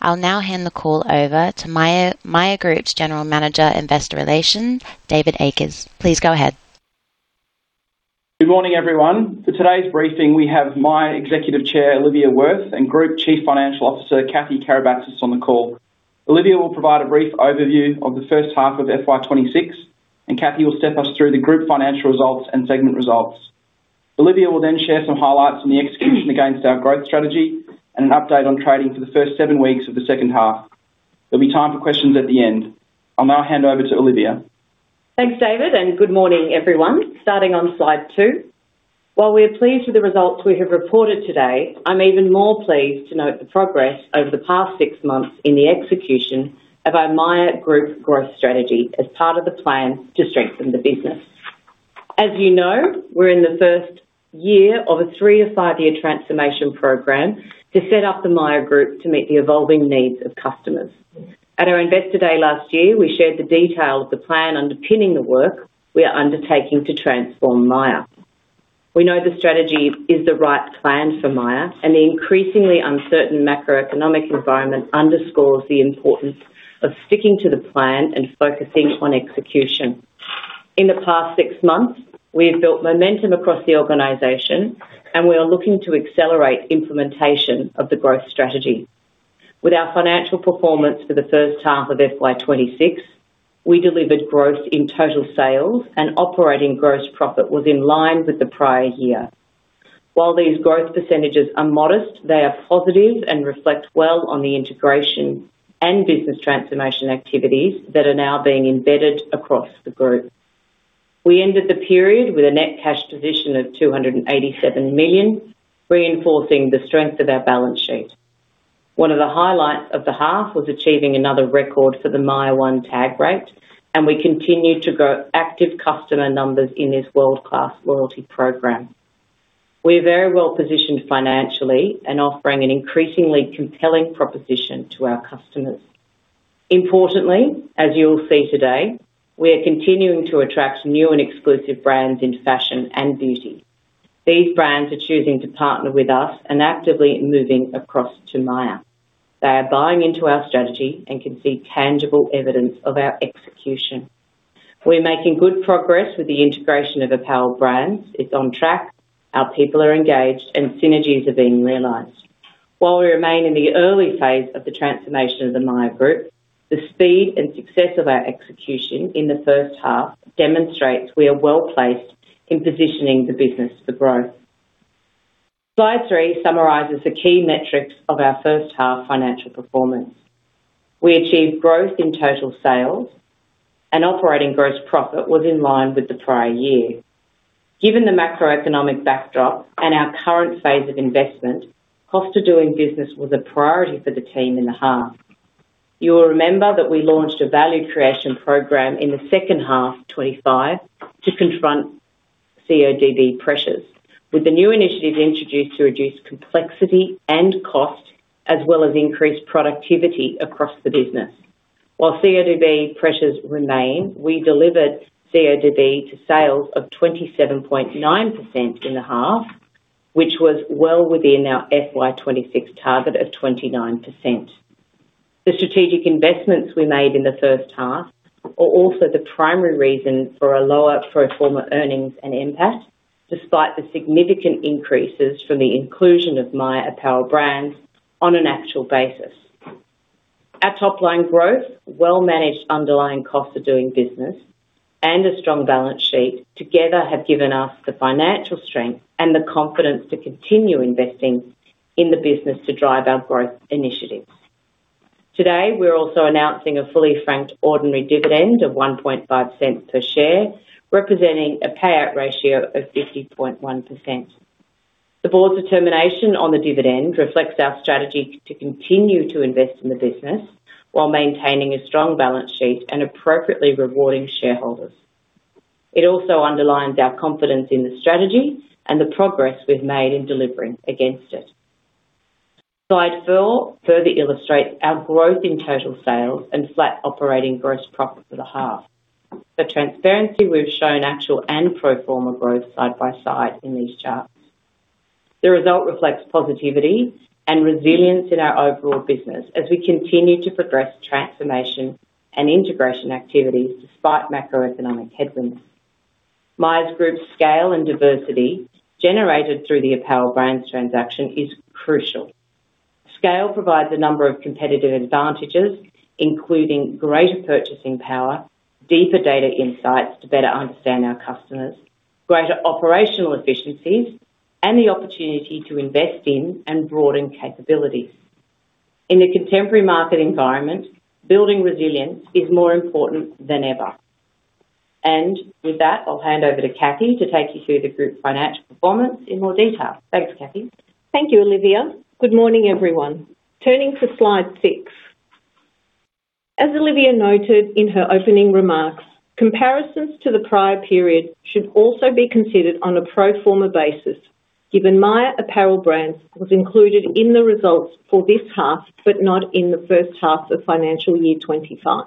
I'll now hand the call over to Myer Group's General Manager, Investor Relations, David Akers. Please go ahead. Good morning, everyone. For today's briefing, we have Myer Executive Chair, Olivia Wirth, and Group Chief Financial Officer, Kathy Karabatsas, on the call. Olivia will provide a brief overview of the first half of FY 2026, and Kathy will step us through the group financial results and segment results. Olivia will then share some highlights on the execution against our growth strategy and an update on trading for the first seven weeks of the second half. There'll be time for questions at the end. I'll now hand over to Olivia. Thanks, David, and good morning, everyone. Starting on slide two. While we are pleased with the results we have reported today, I'm even more pleased to note the progress over the past six months in the execution of our Myer Group growth strategy as part of the plan to strengthen the business. As you know, we're in the first year of a three to five-year transformation program to set up the Myer Group to meet the evolving needs of customers. At our Investor Day last year, we shared the detail of the plan underpinning the work we are undertaking to transform Myer. We know the strategy is the right plan for Myer, and the increasingly uncertain macroeconomic environment underscores the importance of sticking to the plan and focusing on execution. In the past six months, we have built momentum across the organization and we are looking to accelerate implementation of the growth strategy. With our financial performance for the first half of FY 2026, we delivered growth in total sales and operating gross profit was in line with the prior year. While these growth percentages are modest, they are positive and reflect well on the integration and business transformation activities that are now being embedded across the group. We ended the period with a net cash position of 287 million, reinforcing the strength of our balance sheet. One of the highlights of the half was achieving another record for the Myer One tag rate, and we continued to grow active customer numbers in this world-class loyalty program. We are very well-positioned financially and offering an increasingly compelling proposition to our customers. Importantly, as you'll see today, we are continuing to attract new and exclusive brands in fashion and beauty. These brands are choosing to partner with us and actively moving across to Myer. They are buying into our strategy and can see tangible evidence of our execution. We're making good progress with the integration of Apparel Brands. It's on track, our people are engaged, and synergies are being realized. While we remain in the early phase of the transformation of the Myer Group, the speed and success of our execution in the first half demonstrates we are well-placed in positioning the business for growth. Slide three summarizes the key metrics of our first half financial performance. We achieved growth in total sales, and operating gross profit was in line with the prior year. Given the macroeconomic backdrop and our current phase of investment, cost of doing business was a priority for the team in the half. You will remember that we launched a value creation program in the second half of 2025 to confront CODB pressures, with the new initiatives introduced to reduce complexity and cost, as well as increase productivity across the business. While CODB pressures remain, we delivered CODB to sales of 27.9% in the half, which was well within our FY 2026 target of 29%. The strategic investments we made in the first half are also the primary reason for a lower pro forma earnings and NPAT, despite the significant increases from the inclusion of Myer Apparel Brands on an actual basis. Our top-line growth, well-managed underlying cost of doing business, and a strong balance sheet together have given us the financial strength and the confidence to continue investing in the business to drive our growth initiatives. Today, we're also announcing a fully franked ordinary dividend of 0.015 per share, representing a payout ratio of 50.1%. The board's determination on the dividend reflects our strategy to continue to invest in the business while maintaining a strong balance sheet and appropriately rewarding shareholders. It also underlines our confidence in the strategy and the progress we've made in delivering against it. Slide four further illustrates our growth in total sales and flat operating gross profit for the half. For transparency, we've shown actual and pro forma growth side by side in these charts. The result reflects positivity and resilience in our overall business as we continue to progress transformation and integration activities despite macroeconomic headwinds. Myer's Group scale and diversity generated through the Apparel Brands transaction is crucial. Scale provides a number of competitive advantages, including greater purchasing power, deeper data insights to better understand our customers, greater operational efficiencies, and the opportunity to invest in and broaden capabilities. In the contemporary market environment, building resilience is more important than ever. With that, I'll hand over to Kathy to take you through the group's financial performance in more detail. Thanks, Kathy. Thank you, Olivia. Good morning, everyone. Turning to slide six. As Olivia noted in her opening remarks, comparisons to the prior period should also be considered on a pro forma basis, given Myer Apparel Brands was included in the results for this half, but not in the first half of financial year 2025.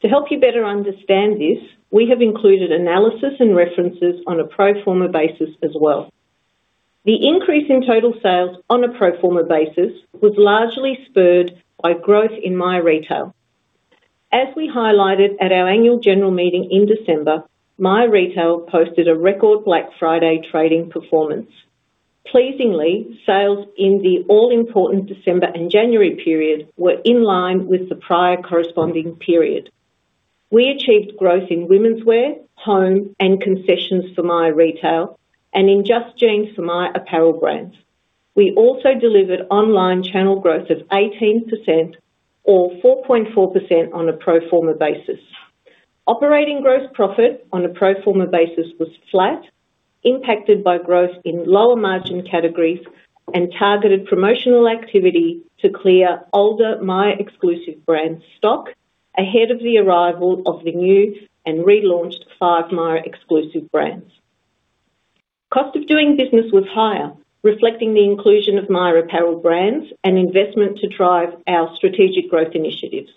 To help you better understand this, we have included analysis and references on a pro forma basis as well. The increase in total sales on a pro forma basis was largely spurred by growth in Myer Retail. As we highlighted at our annual general meeting in December, Myer Retail posted a record Black Friday trading performance. Pleasingly, sales in the all-important December and January period were in line with the prior corresponding period. We achieved growth in womenswear, home and concessions for Myer Retail and in Just Jeans for Myer Apparel Brands. We also delivered online channel growth of 18% or 4.4% on a pro forma basis. Operating gross profit on a pro forma basis was flat, impacted by growth in lower margin categories and targeted promotional activity to clear older Myer Exclusive Brand stock ahead of the arrival of the new and relaunched five Myer Exclusive Brands. Cost of doing business was higher, reflecting the inclusion of Myer Apparel Brands and investment to drive our strategic growth initiatives.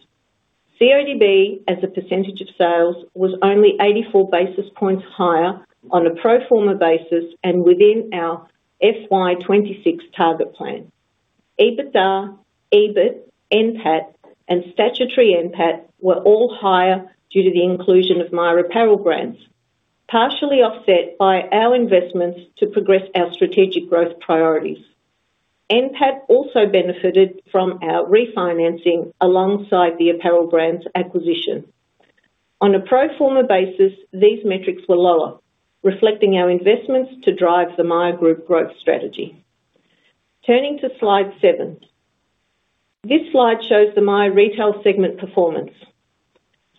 CODB as a percentage of sales was only 84 basis points higher on a pro forma basis and within our FY 2026 target plan. EBITDA, EBIT, NPAT and statutory NPAT were all higher due to the inclusion of Myer Apparel Brands, partially offset by our investments to progress our strategic growth priorities. NPAT also benefited from our refinancing alongside the apparel brands acquisition. On a pro forma basis, these metrics were lower, reflecting our investments to drive the Myer Group growth strategy. Turning to slide seven. This slide shows the Myer Retail segment performance.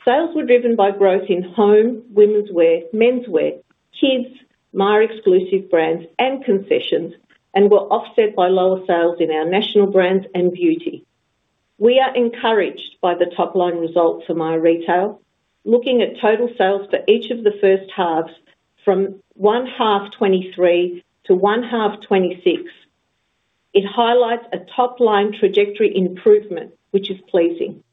Sales were driven by growth in home, womenswear, menswear, kids, Myer exclusive brands and concessions, and were offset by lower sales in our national brands and beauty. We are encouraged by the top-line results for Myer Retail. Looking at total sales for each of the first halves from 1H 2023 to 1H 2026, it highlights a top-line trajectory improvement, which is pleasing.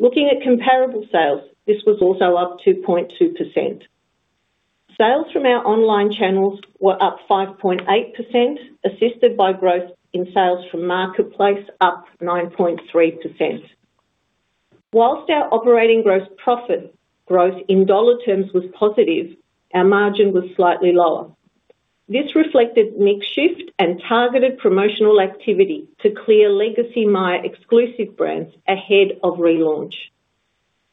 Looking at comparable sales, this was also up 2.2%. Sales from our online channels were up 5.8%, assisted by growth in sales from Marketplace up 9.3%. While our operating gross profit growth in dollar terms was positive, our margin was slightly lower. This reflected mix shift and targeted promotional activity to clear legacy Myer exclusive brands ahead of relaunch.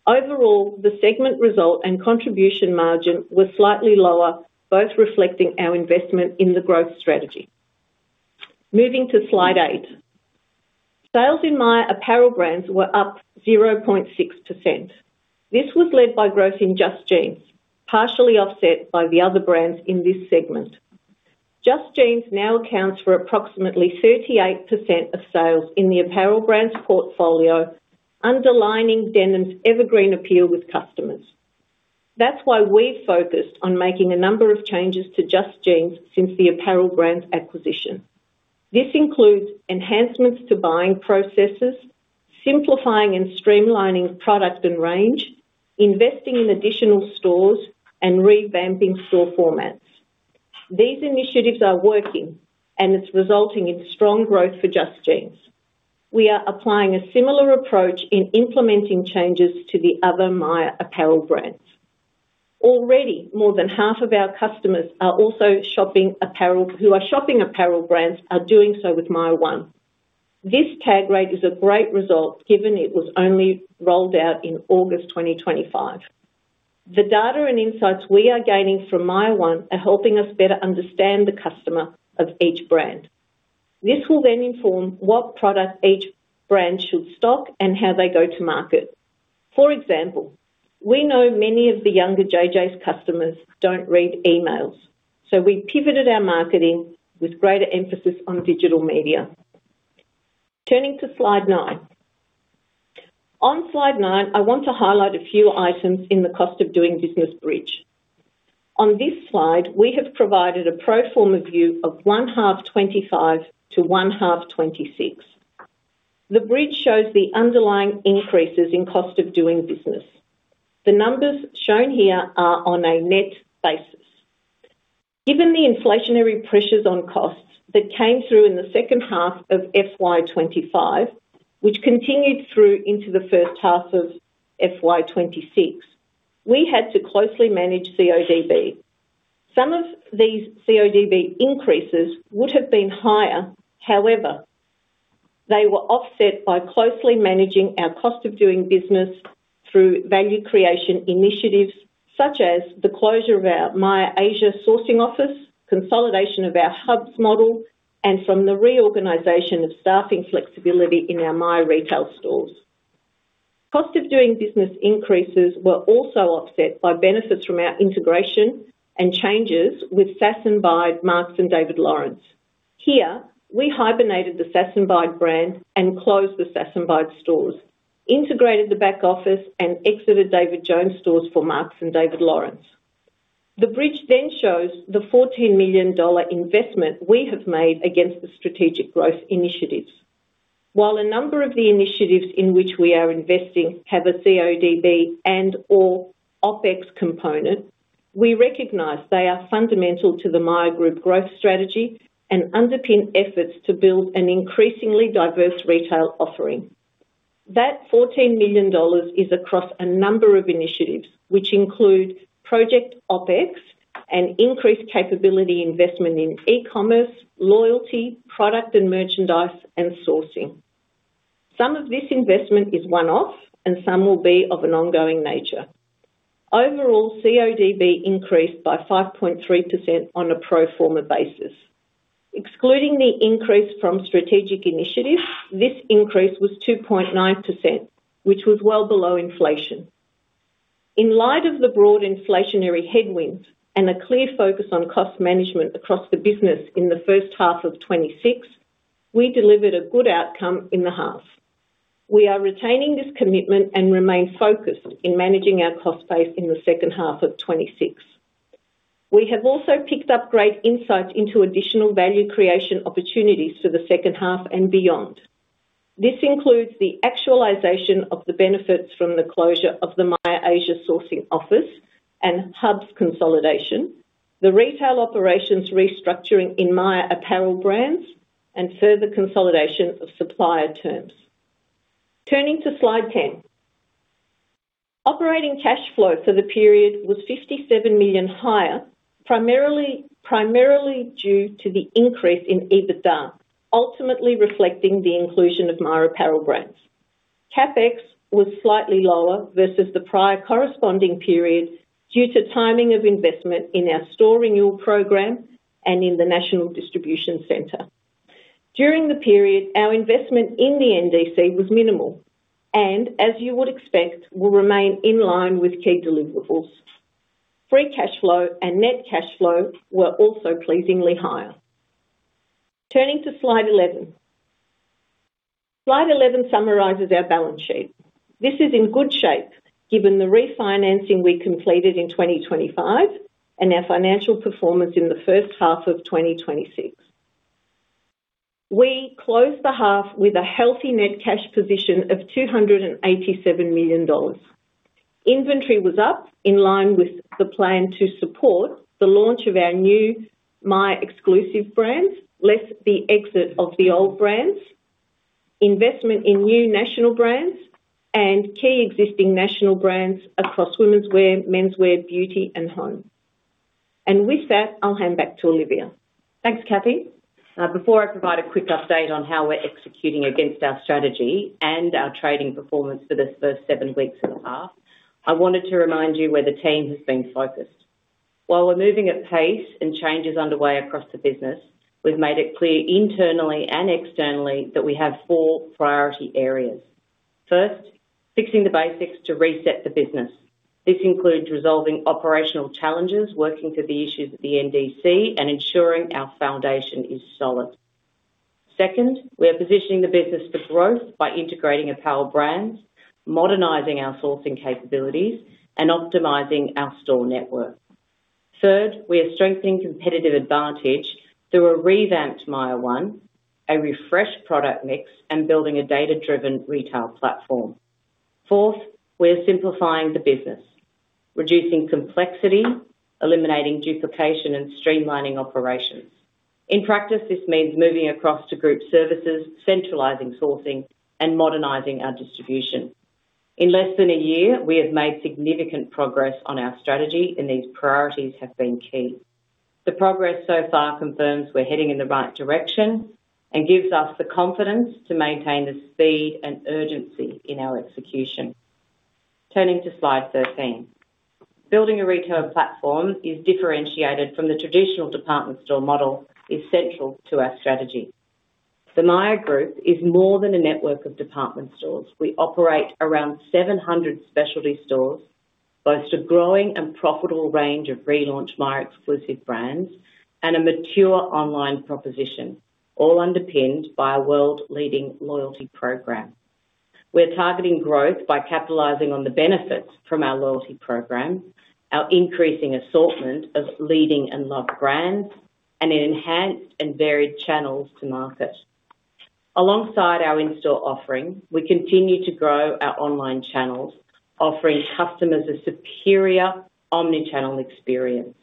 Overall, the segment result and contribution margin were slightly lower, both reflecting our investment in the growth strategy. Moving to slide eight. Sales in Myer Apparel Brands were up 0.6%. This was led by growth in Just Jeans, partially offset by the other brands in this segment. Just Jeans now accounts for approximately 38% of sales in the apparel brands portfolio, underlining denim's evergreen appeal with customers. That's why we've focused on making a number of changes to Just Jeans since the apparel brands acquisition. This includes enhancements to buying processes, simplifying and streamlining product and range, investing in additional stores, and revamping store formats. These initiatives are working and it's resulting in strong growth for Just Jeans. We are applying a similar approach in implementing changes to the other Myer Apparel Brands. Already, more than half of our customers who are also shopping apparel brands are doing so with Myer One. This tag rate is a great result given it was only rolled out in August 2025. The data and insights we are gaining from Myer One are helping us better understand the customer of each brand. This will then inform what product each brand should stock and how they go to market. For example, we know many of the younger Jay Jays customers don't read emails, so we pivoted our marketing with greater emphasis on digital media. Turning to slide nine. On slide nine, I want to highlight a few items in the cost of doing business bridge. On this slide, we have provided a pro forma view of 1H 2025 to 1H 2026. The bridge shows the underlying increases in cost of doing business. The numbers shown here are on a net basis. Given the inflationary pressures on costs that came through in the second half of FY 2025, which continued through into the first half of FY 2026, we had to closely manage CODB. Some of these CODB increases would have been higher, however, they were offset by closely managing our cost of doing business through value creation initiatives such as the closure of our Myer Asia sourcing office, consolidation of our hubs model, and from the reorganization of staffing flexibility in our Myer retail stores. Cost of doing business increases were also offset by benefits from our integration and changes with Sass & Bide, Marcs and David Lawrence. Here, we hibernated the Sass & Bide brand and closed the Sass & Bide stores, integrated the back office and exited David Jones stores for Marcs and David Lawrence. The bridge then shows the 14 million dollar investment we have made against the strategic growth initiatives. While a number of the initiatives in which we are investing have a CODB and/or OpEx component, we recognize they are fundamental to the Myer Group growth strategy and underpin efforts to build an increasingly diverse retail offering. That 14 million dollars is across a number of initiatives, which include Project OpEx and increased capability investment in e-commerce, loyalty, product and merchandise, and sourcing. Some of this investment is one-off and some will be of an ongoing nature. Overall, CODB increased by 5.3% on a pro forma basis. Excluding the increase from strategic initiatives, this increase was 2.9%, which was well below inflation. In light of the broad inflationary headwinds and a clear focus on cost management across the business in the first half of 2026, we delivered a good outcome in the half. We are retaining this commitment and remain focused in managing our cost base in the second half of 2026. We have also picked up great insights into additional value creation opportunities for the second half and beyond. This includes the actualization of the benefits from the closure of the Myer Sourcing Asia office and hubs consolidation, the retail operations restructuring in Myer Apparel Brands, and further consolidation of supplier terms. Turning to slide 10. Operating cash flow for the period was 57 million higher, primarily due to the increase in EBITDA, ultimately reflecting the inclusion of Myer Apparel Brands. CapEx was slightly lower versus the prior corresponding period due to timing of investment in our store renewal program and in the national distribution center. During the period, our investment in the NDC was minimal and as you would expect, will remain in line with key deliverables. Free cash flow and net cash flow were also pleasingly higher. Turning to slide 11. Slide 11 summarizes our balance sheet. This is in good shape given the refinancing we completed in 2025 and our financial performance in the first half of 2026. We closed the half with a healthy net cash position of 287 million dollars. Inventory was up in line with the plan to support the launch of our new Myer exclusive brands, less the exit of the old brands, investment in new national brands and key existing national brands across womenswear, menswear, beauty and home. With that, I'll hand back to Olivia. Thanks, Kathy. Before I provide a quick update on how we're executing against our strategy and our trading performance for the first seven weeks of the half, I wanted to remind you where the team has been focused. While we're moving at pace and changes underway across the business, we've made it clear internally and externally that we have four priority areas. First, fixing the basics to reset the business. This includes resolving operational challenges, working through the issues at the NDC, and ensuring our foundation is solid. Second, we are positioning the business for growth by integrating apparel brands, modernizing our sourcing capabilities, and optimizing our store network. Third, we are strengthening competitive advantage through a revamped Myer One, a refreshed product mix, and building a data-driven retail platform. Fourth, we're simplifying the business, reducing complexity, eliminating duplication, and streamlining operations. In practice, this means moving across to group services, centralizing sourcing, and modernizing our distribution. In less than a year, we have made significant progress on our strategy, and these priorities have been key. The progress so far confirms we're heading in the right direction and gives us the confidence to maintain the speed and urgency in our execution. Turning to slide 13. Building a retail platform is differentiated from the traditional department store model is central to our strategy. The Myer Group is more than a network of department stores. We operate around 700 specialty stores, boast a growing and profitable range of relaunched Myer Exclusive Brands and a mature online proposition, all underpinned by a world-leading loyalty program. We're targeting growth by capitalizing on the benefits from our loyalty program, our increasing assortment of leading and loved brands, and in enhanced and varied channels to market. Alongside our in-store offering, we continue to grow our online channels, offering customers a superior omnichannel experience.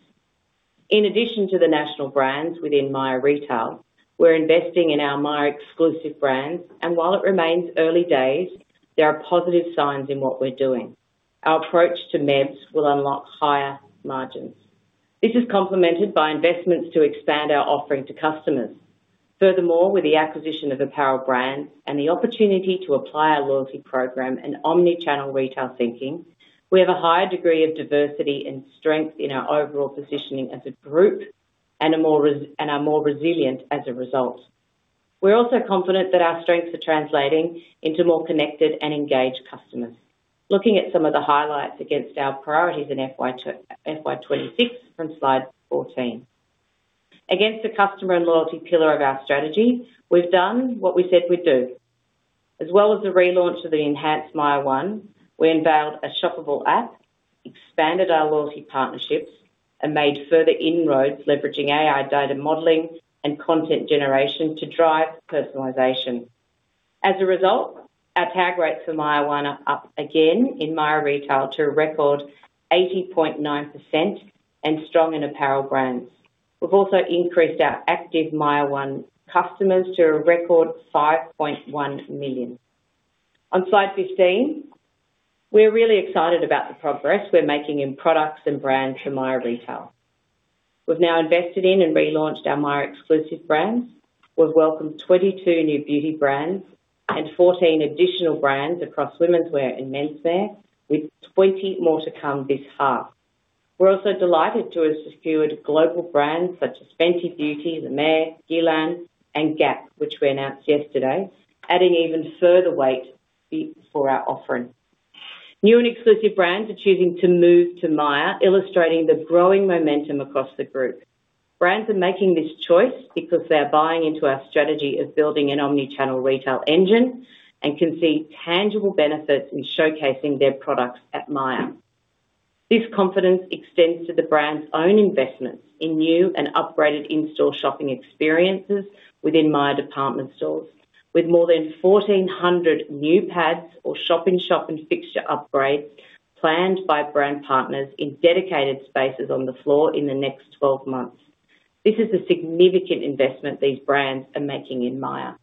In addition to the national brands within Myer Retail, we're investing in our Myer Exclusive Brands, and while it remains early days, there are positive signs in what we're doing. Our approach to MEBs will unlock higher margins. This is complemented by investments to expand our offering to customers. Furthermore, with the acquisition of Apparel Brands and the opportunity to apply our loyalty program and omnichannel retail thinking, we have a higher degree of diversity and strength in our overall positioning as a group and are more resilient as a result. We're also confident that our strengths are translating into more connected and engaged customers. Looking at some of the highlights against our priorities in FY 2026 from slide 14. Against the customer and loyalty pillar of our strategy, we've done what we said we'd do. As well as the relaunch of the enhanced Myer One, we unveiled a shoppable app, expanded our loyalty partnerships, and made further inroads leveraging AI data modeling and content generation to drive personalization. As a result, our tag rates for Myer One are up again in Myer Retail to a record 80.9% and strong in apparel brands. We've also increased our active Myer One customers to a record 5.1 million. On slide 15, we're really excited about the progress we're making in products and brands for Myer Retail. We've now invested in and relaunched our Myer Exclusive Brands. We've welcomed 22 new beauty brands and 14 additional brands across womenswear and menswear, with 20 more to come this half. We're also delighted to have secured global brands such as Fenty Beauty, La Mer, Guerlain, and Gap, which we announced yesterday, adding even further weight to our offering. New and exclusive brands are choosing to move to Myer, illustrating the growing momentum across the group. Brands are making this choice because they are buying into our strategy of building an omnichannel retail engine and can see tangible benefits in showcasing their products at Myer. This confidence extends to the brand's own investments in new and upgraded in-store shopping experiences within Myer department stores, with more than 1,400 new pads or shop-in-shop and fixture upgrades planned by brand partners in dedicated spaces on the floor in the next 12 months. This is a significant investment these brands are making in Myer.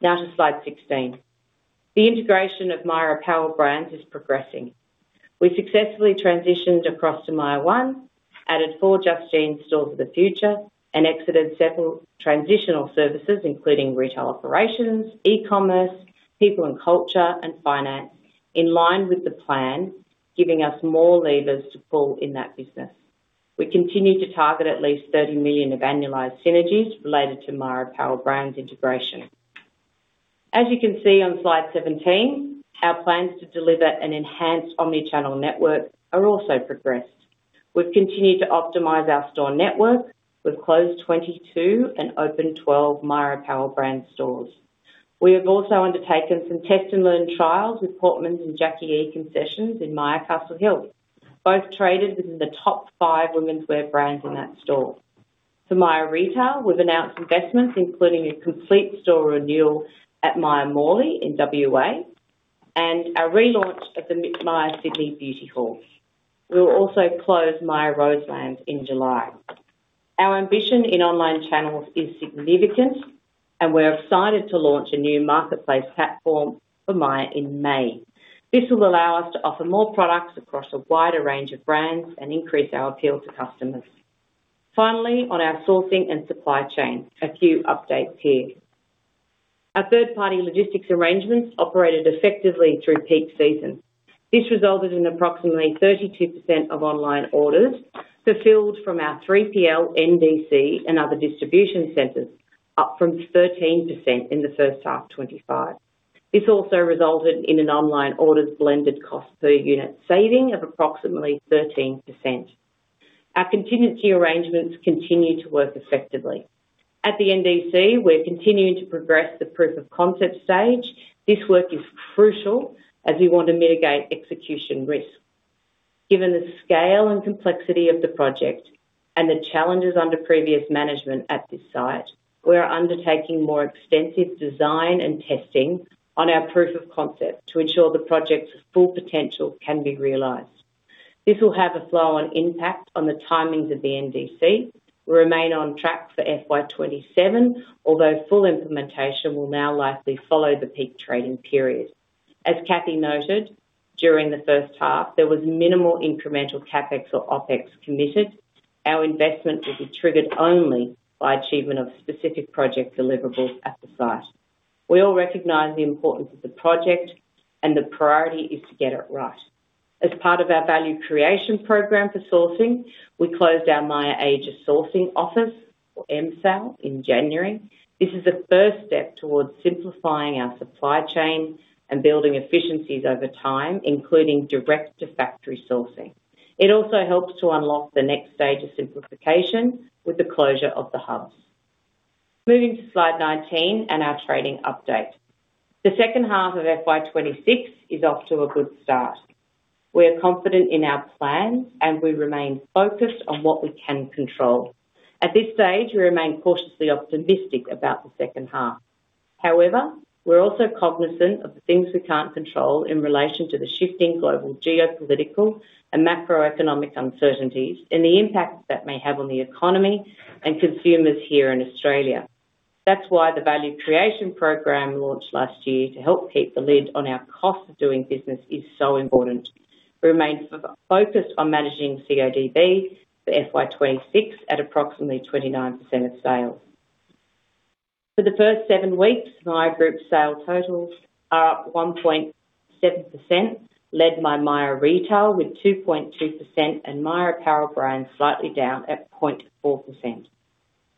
Now to slide 16. The integration of Myer Apparel Brands is progressing. We successfully transitioned across to Myer One, added four Just Jeans stores of the future, and exited several transitional services, including retail operations, e-commerce, people and culture, and finance in line with the plan, giving us more levers to pull in that business. We continue to target at least 30 million of annualized synergies related to Myer Apparel Brands integration. As you can see on slide 17, our plans to deliver an enhanced omnichannel network are also progressed. We've continued to optimize our store network. We've closed 22 and opened 12 Myer Apparel Brands stores. We have also undertaken some test-and-learn trials with Portmans and Jacqui E concessions in Myer Castle Hill. Both traded within the top five womenswear brands in that store. For Myer Retail, we've announced investments, including a complete store renewal at Myer Morley in WA and a relaunch of the Myer Sydney Beauty Hall. We will also close Myer Roselands in July. Our ambition in online channels is significant, and we're excited to launch a new marketplace platform for Myer in May. This will allow us to offer more products across a wider range of brands and increase our appeal to customers. Finally, on our sourcing and supply chain, a few updates here. Our third-party logistics arrangements operated effectively through peak season. This resulted in approximately 32% of online orders fulfilled from our 3PL NDC and other distribution centers, up from 13% in the first half 2025. This also resulted in an online orders blended cost per unit saving of approximately 13%. Our contingency arrangements continue to work effectively. At the NDC, we're continuing to progress the proof of concept stage. This work is crucial as we want to mitigate execution risk. Given the scale and complexity of the project and the challenges under previous management at this site, we are undertaking more extensive design and testing on our proof of concept to ensure the project's full potential can be realized. This will have a flow-on impact on the timings of the NDC. We remain on track for FY 2027, although full implementation will now likely follow the peak trading period. As Kathy noted, during the first half, there was minimal incremental CapEx or OpEx committed. Our investment will be triggered only by achievement of specific project deliverables at the site. We all recognize the importance of the project, and the priority is to get it right. As part of our value creation program for sourcing, we closed our Myer Sourcing Asia Limited, or MSAL, in January. This is the first step towards simplifying our supply chain and building efficiencies over time, including direct-to-factory sourcing. It also helps to unlock the next stage of simplification with the closure of the hubs. Moving to slide 19 and our trading update. The second half of FY 2026 is off to a good start. We are confident in our plan, and we remain focused on what we can control. At this stage we remain cautiously optimistic about the second half. However, we're also cognizant of the things we can't control in relation to the shifting global geopolitical and macroeconomic uncertainties and the impact that may have on the economy and consumers here in Australia. That's why the value creation program launched last year to help keep the lid on our cost of doing business is so important. We remain focused on managing CODB for FY 2026 at approximately 29% of sales. For the first seven weeks, Myer Group sale totals are up 1.7%, led by Myer Retail with 2.2% and Myer Apparel Brands slightly down at 0.4%.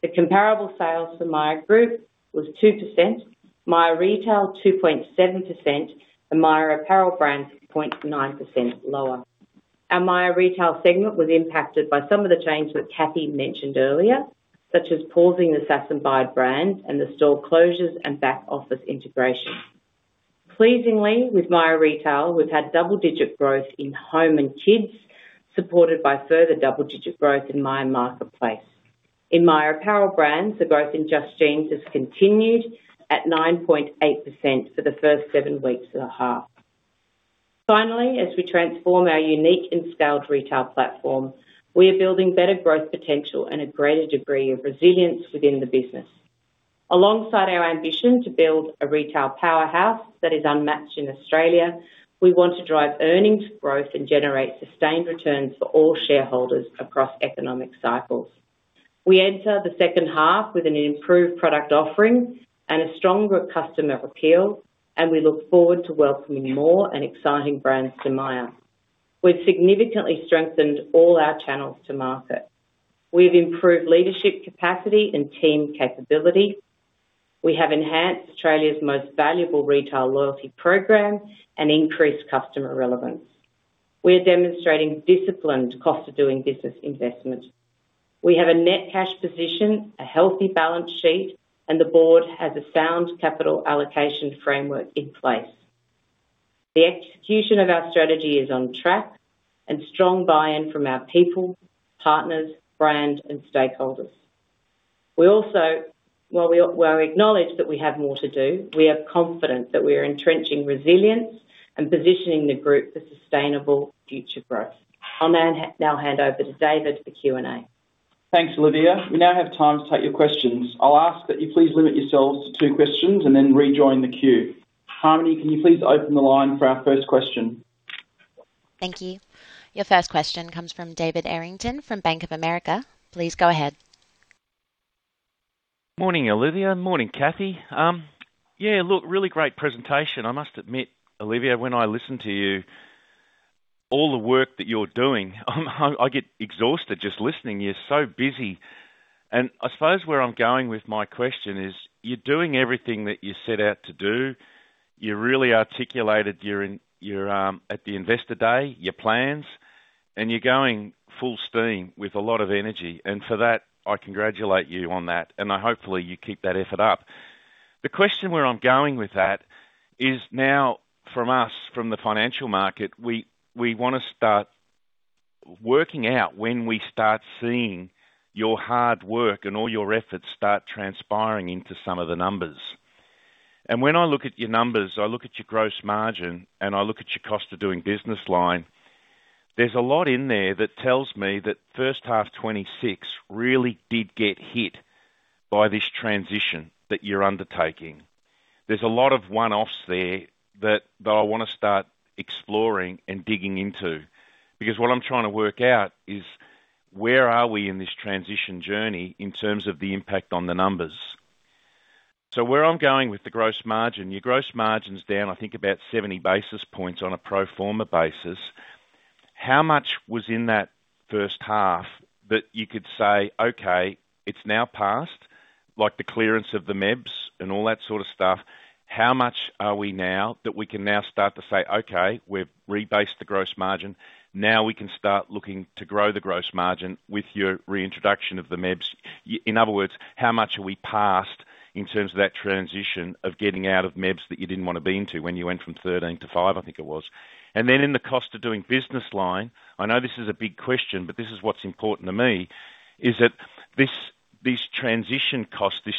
The comparable sales for Myer Group was 2%, Myer Retail 2.7%, and Myer Apparel Brands 0.9% lower. Our Myer Retail segment was impacted by some of the changes that Kathy mentioned earlier, such as pausing the Sass & Bide brand and the store closures and back-office integration. Pleasingly, with Myer Retail, we've had double-digit growth in home and kids, supported by further double-digit growth in Myer Marketplace. In Myer Apparel Brands, the growth in Just Jeans has continued at 9.8% for the first seven weeks of the half. Finally, as we transform our unique and scaled retail platform, we are building better growth potential and a greater degree of resilience within the business. Alongside our ambition to build a retail powerhouse that is unmatched in Australia, we want to drive earnings growth and generate sustained returns for all shareholders across economic cycles. We enter the second half with an improved product offering and a stronger customer appeal, and we look forward to welcoming more and exciting brands to Myer. We've significantly strengthened all our channels to market. We've improved leadership capacity and team capability. We have enhanced Australia's most valuable retail loyalty program and increased customer relevance. We are demonstrating disciplined cost of doing business investment. We have a net cash position, a healthy balance sheet, and the board has a sound capital allocation framework in place. The execution of our strategy is on track, and strong buy-in from our people, partners, brand, and stakeholders. We also, while we acknowledge that we have more to do, we are confident that we are entrenching resilience and positioning the group for sustainable future growth. I'll now hand over to David for the Q&A. Thanks, Olivia. We now have time to take your questions. I'll ask that you please limit yourselves to two questions and then rejoin the queue. Harmony, can you please open the line for our first question? Thank you. Your first question comes from David Errington from Bank of America. Please go ahead. Morning, Olivia. Morning, Kathy. Yeah, look, really great presentation. I must admit, Olivia, when I listen to you, all the work that you're doing, I get exhausted just listening. You're so busy. I suppose where I'm going with my question is, you're doing everything that you set out to do. You really articulated your, at the Investor Day, your plans, and you're going full steam with a lot of energy. For that, I congratulate you on that, and hopefully, you keep that effort up. The question where I'm going with that is now from us, from the financial market, we wanna start working out when we start seeing your hard work and all your efforts start transpiring into some of the numbers. When I look at your numbers, I look at your gross margin, and I look at your cost of doing business line, there's a lot in there that tells me that first half 2026 really did get hit by this transition that you're undertaking. There's a lot of one-offs there that I wanna start exploring and digging into because what I'm trying to work out is where are we in this transition journey in terms of the impact on the numbers? Where I'm going with the gross margin, your gross margin's down, I think about 70 basis points on a pro forma basis. How much was in that first half that you could say, "Okay, it's now passed," like the clearance of the MEBs and all that sort of stuff. How much are we now that we can now start to say, "Okay, we've rebased the gross margin. Now we can start looking to grow the gross margin with your reintroduction of the MEBs." In other words, how much are we past in terms of that transition of getting out of MEBs that you didn't wanna be into when you went from 13 to five, I think it was. In the cost of doing business line, I know this is a big question, but this is what's important to me, is that this transition cost, this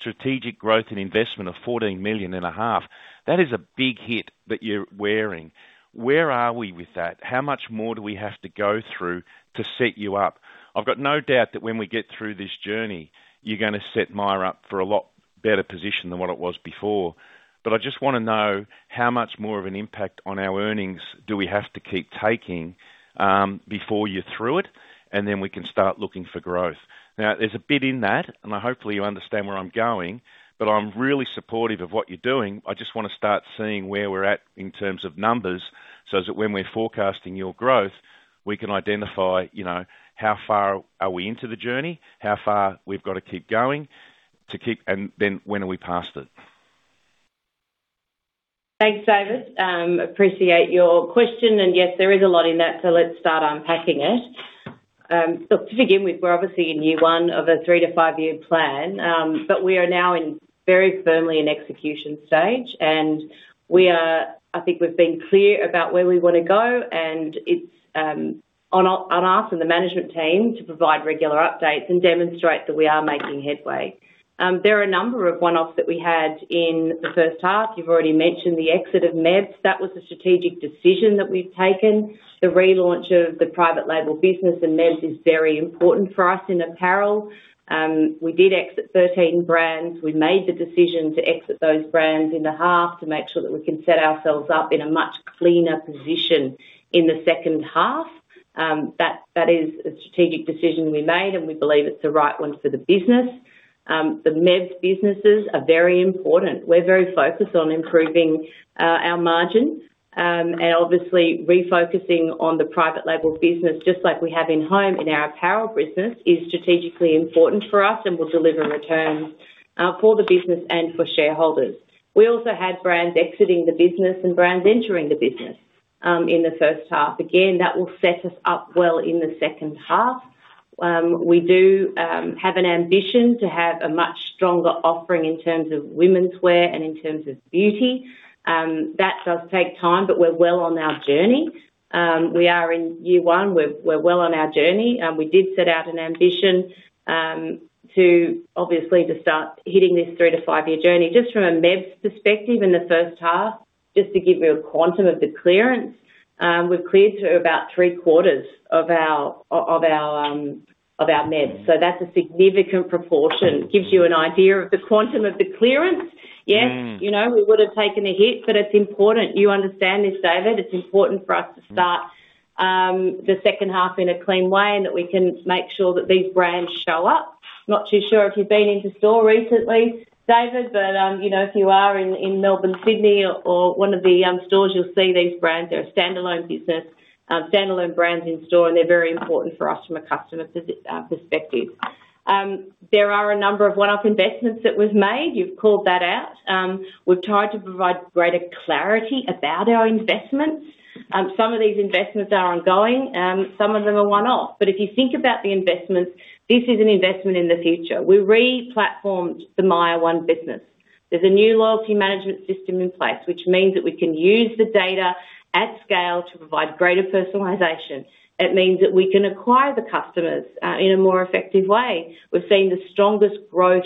strategic growth and investment of 14.5 million, that is a big hit that you're wearing. Where are we with that? How much more do we have to go through to set you up? I've got no doubt that when we get through this journey, you're gonna set Myer up for a lot better position than what it was before. I just wanna know how much more of an impact on our earnings do we have to keep taking before you're through it, and then we can start looking for growth. Now, there's a bit in that, and hopefully, you understand where I'm going, but I'm really supportive of what you're doing. I just wanna start seeing where we're at in terms of numbers so that when we're forecasting your growth, we can identify, you know, how far are we into the journey, how far we've got to keep going, and then when are we past it? Thanks, David. Appreciate your question. Yes, there is a lot in that, so let's start unpacking it. To begin with, we're obviously in year one of a three to five-year plan, but we are now very firmly in execution stage, and I think we've been clear about where we wanna go, and it's on us and the management team to provide regular updates and demonstrate that we are making headway. There are a number of one-offs that we had in the first half. You've already mentioned the exit of MEBs. That was a strategic decision that we've taken. The relaunch of the private label business and MEBs is very important for us in apparel. We did exit 13 brands. We made the decision to exit those brands in the half to make sure that we can set ourselves up in a much cleaner position in the second half. That is a strategic decision we made, and we believe it's the right one for the business. The MEBs businesses are very important. We're very focused on improving our margin, and obviously refocusing on the private label business just like we have in home, in our apparel business, is strategically important for us and will deliver returns for the business and for shareholders. We also had brands exiting the business and brands entering the business in the first half. Again, that will set us up well in the second half. We do have an ambition to have a much stronger offering in terms of womenswear and in terms of beauty. That does take time, but we're well on our journey. We are in year one. We're well on our journey, and we did set out an ambition to obviously start hitting this three- to five-year journey. Just from a MEBs perspective in the first half, just to give you a quantum of the clearance, we've cleared to about three-quarters of our MEBs. So that's a significant proportion. Gives you an idea of the quantum of the clearance. Mm. Yes, you know, we would have taken a hit, but it's important you understand this, David. It's important for us to start the second half in a clean way and that we can make sure that these brands show up. Not too sure if you've been into store recently, David, but you know, if you are in Melbourne, Sydney or one of the stores, you'll see these brands. They're a standalone business, standalone brands in store, and they're very important for us from a customer perspective. There are a number of one-off investments that was made. You've called that out. We've tried to provide greater clarity about our investments. Some of these investments are ongoing, some of them are one-off. If you think about the investments, this is an investment in the future. We re-platformed the Myer One business. There's a new loyalty management system in place, which means that we can use the data at scale to provide greater personalization. It means that we can acquire the customers in a more effective way. We're seeing the strongest growth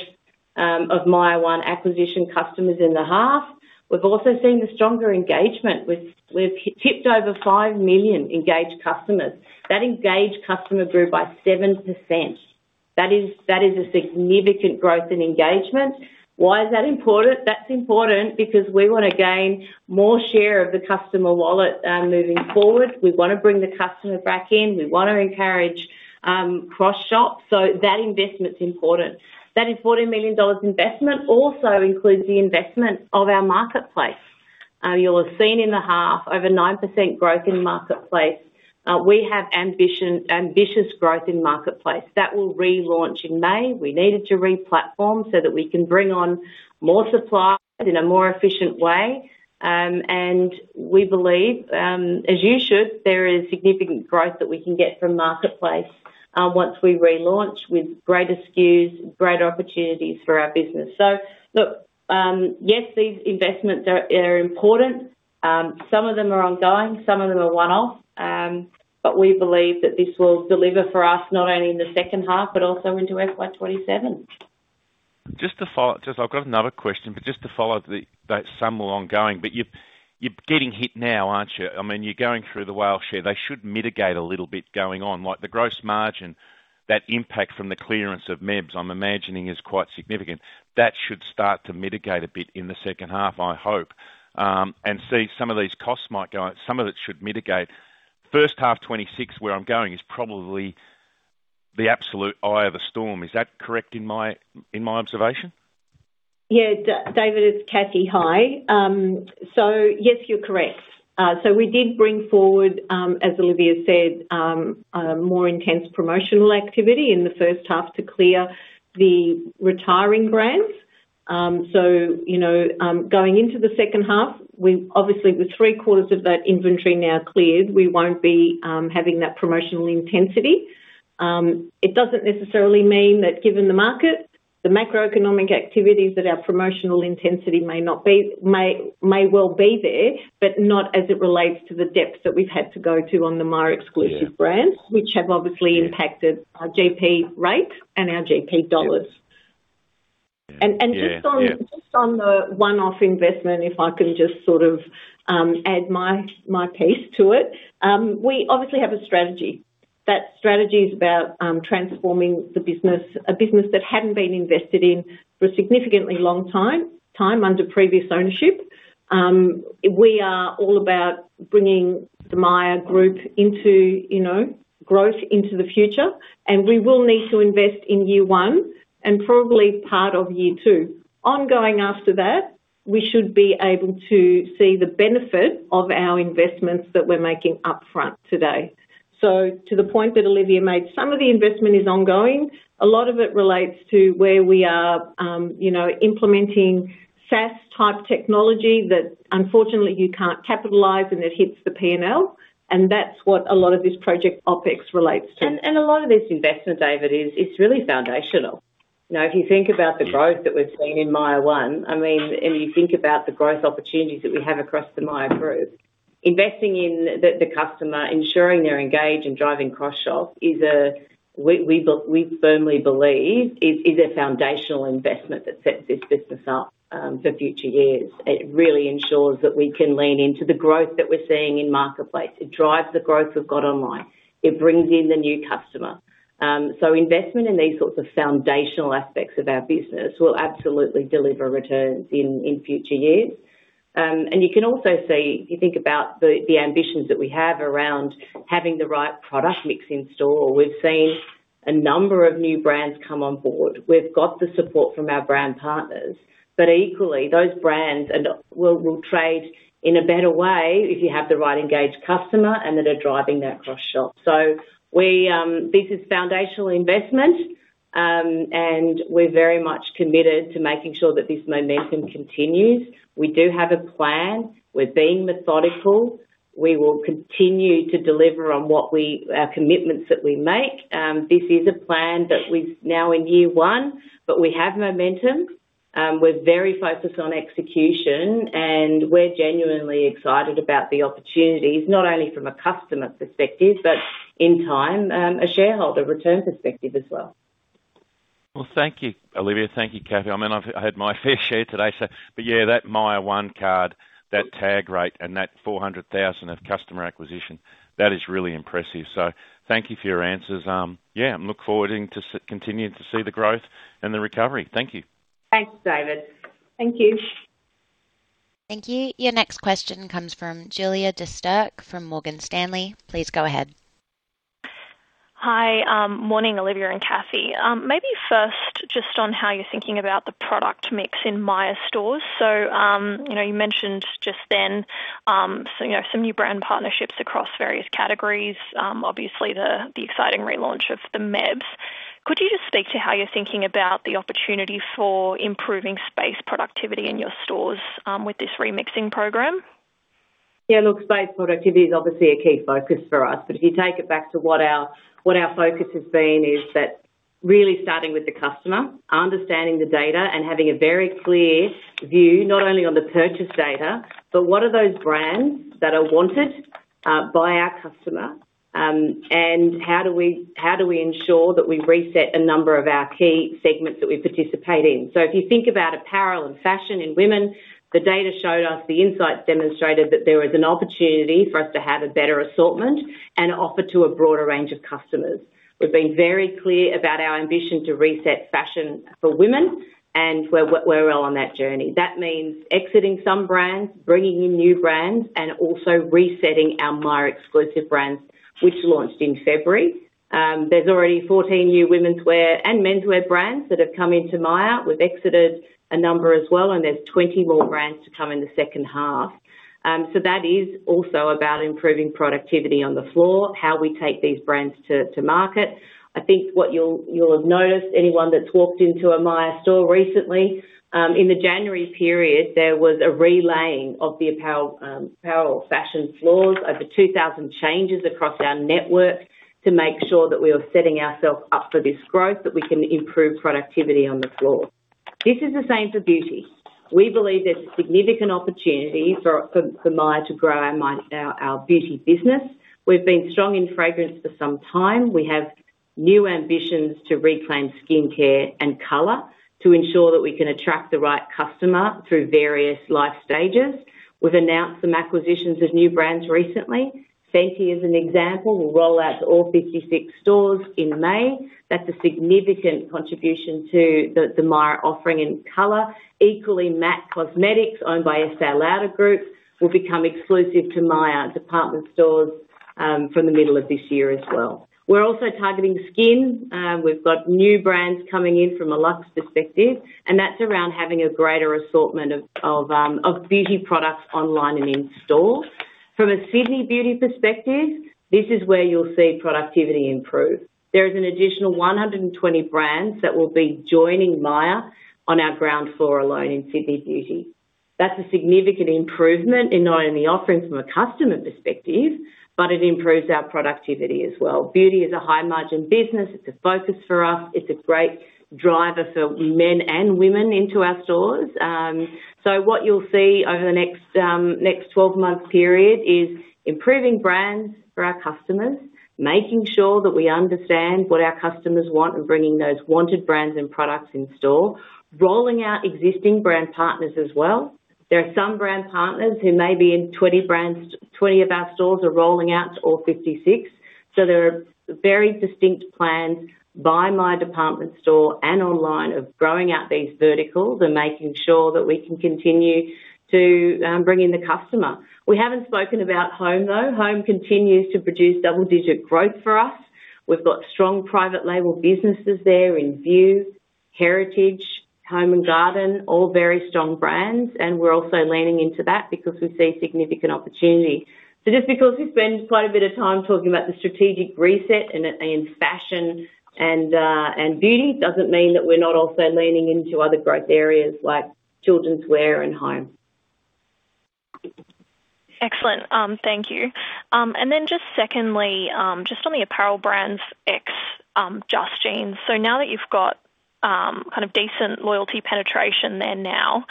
of Myer One acquisition customers in the half. We've also seen the stronger engagement. We've tipped over five million engaged customers. That engaged customer grew by 7%. That is a significant growth in engagement. Why is that important? That's important because we wanna gain more share of the customer wallet moving forward. We wanna bring the customer back in. We wanna encourage cross-shop. That investment's important. That 40 million dollars investment also includes the investment of our marketplace. You'll have seen in the half over 9% growth in the marketplace. We have ambitious growth in Marketplace. That will relaunch in May. We needed to re-platform so that we can bring on more supply in a more efficient way. We believe, as you should, there is significant growth that we can get from Marketplace once we relaunch with greater SKUs, greater opportunities for our business. Look, yes, these investments are important. Some of them are ongoing, some of them are one-off. We believe that this will deliver for us not only in the second half but also into FY 2027. Just, I've got another question, but just to follow up that some are ongoing, but you're getting hit now, aren't you? I mean, you're going through the whole share. They should mitigate a little bit going on. Like the gross margin, that impact from the clearance of MEBs, I'm imagining, is quite significant. That should start to mitigate a bit in the second half, I hope. Some of it should mitigate. First half 2026, where I'm going, is probably the absolute eye of a storm. Is that correct in my observation? Yeah. David, it's Kathy. Hi. Yes, you're correct. We did bring forward, as Olivia said, a more intense promotional activity in the first half to clear the retiring brands. You know, going into the second half, we obviously with three-quarters of that inventory now cleared, we won't be having that promotional intensity. It doesn't necessarily mean that given the market, the macroeconomic activities that our promotional intensity may well be there, but not as it relates to the depths that we've had to go to on the Myer Exclusive Brands. Yeah. Which have obviously impacted- Yeah. Our GP rate and our GP dollars. Yeah. Yeah, yeah. Just on the one-off investment, if I can just sort of add my piece to it. We obviously have a strategy. That strategy is about transforming the business, a business that hadn't been invested in for a significantly long time under previous ownership. We are all about bringing the Myer Group into, you know, growth into the future, and we will need to invest in year one and probably part of year two. Ongoing after that, we should be able to see the benefit of our investments that we're making upfront today. To the point that Olivia made, some of the investment is ongoing. A lot of it relates to where we are, you know, implementing SaaS-type technology that unfortunately you can't capitalize and it hits the P&L, and that's what a lot of this Project OpEx relates to. A lot of this investment, David, is it's really foundational. You know, if you think about the growth that we've seen in Myer One, I mean, you think about the growth opportunities that we have across the Myer Group, investing in the customer, ensuring they're engaged and driving cross-shop, we firmly believe, is a foundational investment that sets this business up for future years. It really ensures that we can lean into the growth that we're seeing in Marketplace. It drives the growth we've got online. It brings in the new customer. Investment in these sorts of foundational aspects of our business will absolutely deliver returns in future years. You can also see, if you think about the ambitions that we have around having the right product mix in store. We've seen a number of new brands come on board. We've got the support from our brand partners. Equally, those brands will trade in a better way if you have the right engaged customer and that are driving that cross-shop. This is foundational investment. We're very much committed to making sure that this momentum continues. We do have a plan. We're being methodical. We will continue to deliver on our commitments that we make. This is a plan that we're now in year one, but we have momentum. We're very much focused on execution, and we're genuinely excited about the opportunities not only from a customer perspective, but in time, a shareholder return perspective as well. Well, thank you, Olivia. Thank you, Kathy. I mean, I had my fair share today, but yeah, that Myer One card, that tag rate and that 400,000 of customer acquisition, that is really impressive. Thank you for your answers. Yeah, I look forward to continuing to see the growth and the recovery. Thank you. Thanks, David. Thank you. Thank you. Your next question comes from Julia de Sterke from Morgan Stanley. Please go ahead. Hi. Morning, Olivia and Kathy. Maybe first, just on how you're thinking about the product mix in Myer stores. You know, you mentioned just then, you know, some new brand partnerships across various categories, obviously the exciting relaunch of the MEBs. Could you just speak to how you're thinking about the opportunity for improving space productivity in your stores, with this remixing program? Yeah, look, space productivity is obviously a key focus for us, but if you take it back to what our focus has been, is that really starting with the customer, understanding the data, and having a very clear view not only on the purchase data, but what are those brands that are wanted by our customer, and how do we ensure that we reset a number of our key segments that we participate in? If you think about apparel and fashion in women, the data showed us the insights demonstrated that there is an opportunity for us to have a better assortment and offer to a broader range of customers. We've been very clear about our ambition to reset fashion for women, and we're well on that journey. That means exiting some brands, bringing in new brands, and also resetting our Myer Exclusive Brands, which launched in February. There's already 14 new womenswear and menswear brands that have come into Myer. We've exited a number as well, and there's 20 more brands to come in the second half. That is also about improving productivity on the floor, how we take these brands to market. I think what you'll have noticed, anyone that's walked into a Myer store recently, in the January period, there was a relaying of the apparel fashion floors, over 2,000 changes across our network to make sure that we are setting ourselves up for this growth, that we can improve productivity on the floor. This is the same for beauty. We believe there's a significant opportunity for Myer to grow our beauty business. We've been strong in fragrance for some time. We have new ambitions to reclaim skincare and color to ensure that we can attract the right customer through various life stages. We've announced some acquisitions of new brands recently. Fenty is an example. We'll roll out to all 56 stores in May. That's a significant contribution to the Myer offering in color. Equally, MAC Cosmetics, owned by Estée Lauder Group, will become exclusive to Myer department stores from the middle of this year as well. We're also targeting skin. We've got new brands coming in from a luxe perspective, and that's around having a greater assortment of beauty products online and in-store. From a Sydney Beauty perspective, this is where you'll see productivity improve. There is an additional 120 brands that will be joining Myer on our ground floor alone in Sydney Beauty. That's a significant improvement in not only offerings from a customer perspective, but it improves our productivity as well. Beauty is a high-margin business. It's a focus for us. It's a great driver for men and women into our stores. What you'll see over the next 12-month period is improving brands for our customers, making sure that we understand what our customers want, and bringing those wanted brands and products in store, rolling out existing brand partners as well. There are some brand partners who may be in 20 brands, 20 of our stores are rolling out to all 56, so there are very distinct plans by Myer department store and online of growing out these verticals and making sure that we can continue to bring in the customer. We haven't spoken about home, though. Home continues to produce double-digit growth for us. We've got strong private label businesses there in Vue, Heritage, House & Garden, all very strong brands, and we're also leaning into that because we see significant opportunity. Just because we've spent quite a bit of time talking about the strategic reset in fashion and beauty doesn't mean that we're not also leaning into other growth areas like childrenswear and home. Excellent. Thank you. Just secondly, just on the Apparel Brands ex Just Jeans. So now that you've got kind of decent loyalty penetration there now,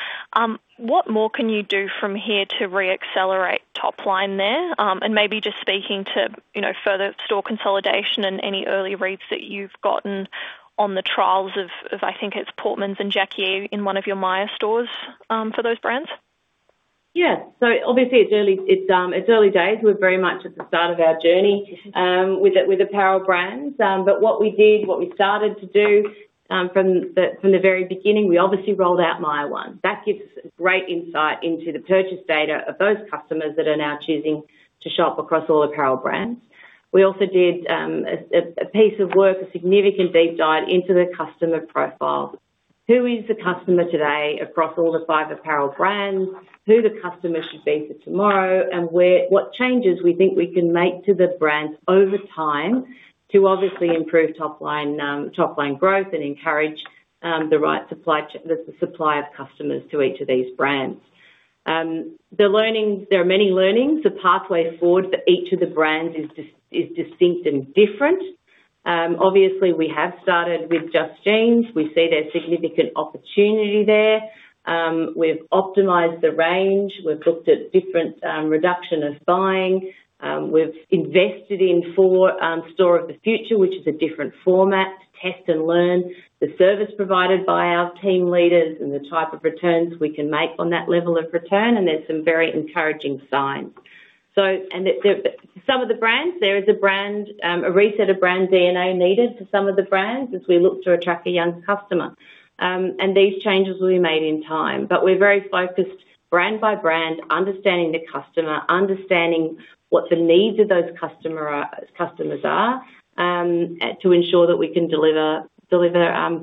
what more can you do from here to re-accelerate top line there? And maybe just speaking to, you know, further store consolidation and any early reads that you've gotten on the trials of, I think it's Portmans and Jacqui E in one of your Myer stores, for those brands. Yeah. Obviously, it's early days. We're very much at the start of our journey with apparel brands. What we started to do from the very beginning, we obviously rolled out Myer One. That gives great insight into the purchase data of those customers that are now choosing to shop across all apparel brands. We also did a piece of work, a significant deep dive into the customer profile. Who is the customer today across all the five apparel brands, who the customer should be for tomorrow, and what changes we think we can make to the brands over time to obviously improve top line growth and encourage the supply of customers to each of these brands. The learnings. There are many learnings. The pathway forward for each of the brands is distinct and different. Obviously, we have started with Just Jeans. We see there's significant opportunity there. We've optimized the range. We've looked at different reduction of buying. We've invested in four stores of the future, which is a different format to test and learn the service provided by our team leaders and the type of returns we can make on that level of return, and there's some very encouraging signs. Some of the brands, there is a brand reset of brand DNA needed for some of the brands as we look to attract a young customer. These changes will be made in time. We're very focused brand by brand, understanding the customer, understanding what the needs of those customers are, to ensure that we can deliver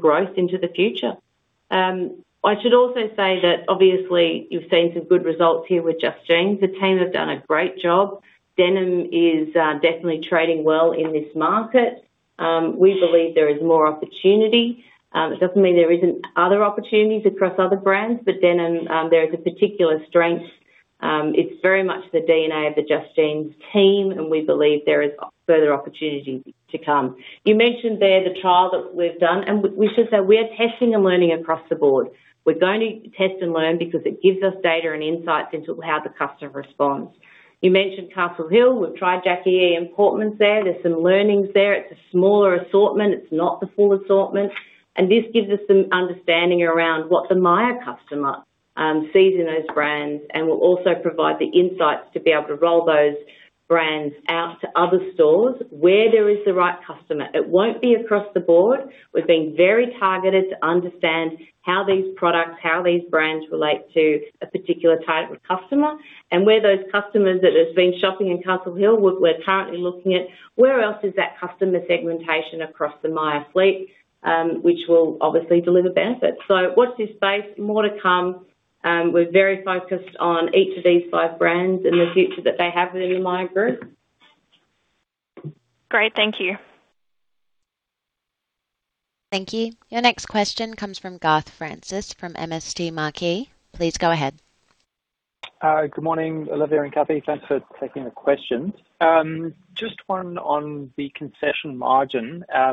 growth into the future. I should also say that obviously you've seen some good results here with Just Jeans. The team have done a great job. Denim is definitely trading well in this market. We believe there is more opportunity. It doesn't mean there isn't other opportunities across other brands, but denim there is a particular strength, it's very much the DNA of the Just Jeans team, and we believe there is further opportunity to come. You mentioned there the trial that we've done, and we should say we are testing and learning across the board. We're going to test and learn because it gives us data and insights into how the customer responds. You mentioned Castle Hill. We've tried Jacqui E and Portmans there. There's some learnings there. It's a smaller assortment. It's not the full assortment. This gives us some understanding around what the Myer customer sees in those brands and will also provide the insights to be able to roll those brands out to other stores where there is the right customer. It won't be across the board. We're being very targeted to understand how these products, how these brands relate to a particular type of customer and where those customers that have been shopping in Castle Hill, we're currently looking at where else is that customer segmentation across the Myer fleet, which will obviously deliver benefits. Watch this space. More to come. We're very focused on each of these five brands and the future that they have within the Myer Group. Great. Thank you. Thank you. Your next question comes from Garth Francis from MST Marquee. Please go ahead. Good morning, Olivia and Kathy. Thanks for taking the questions. Just one on the concession margin. I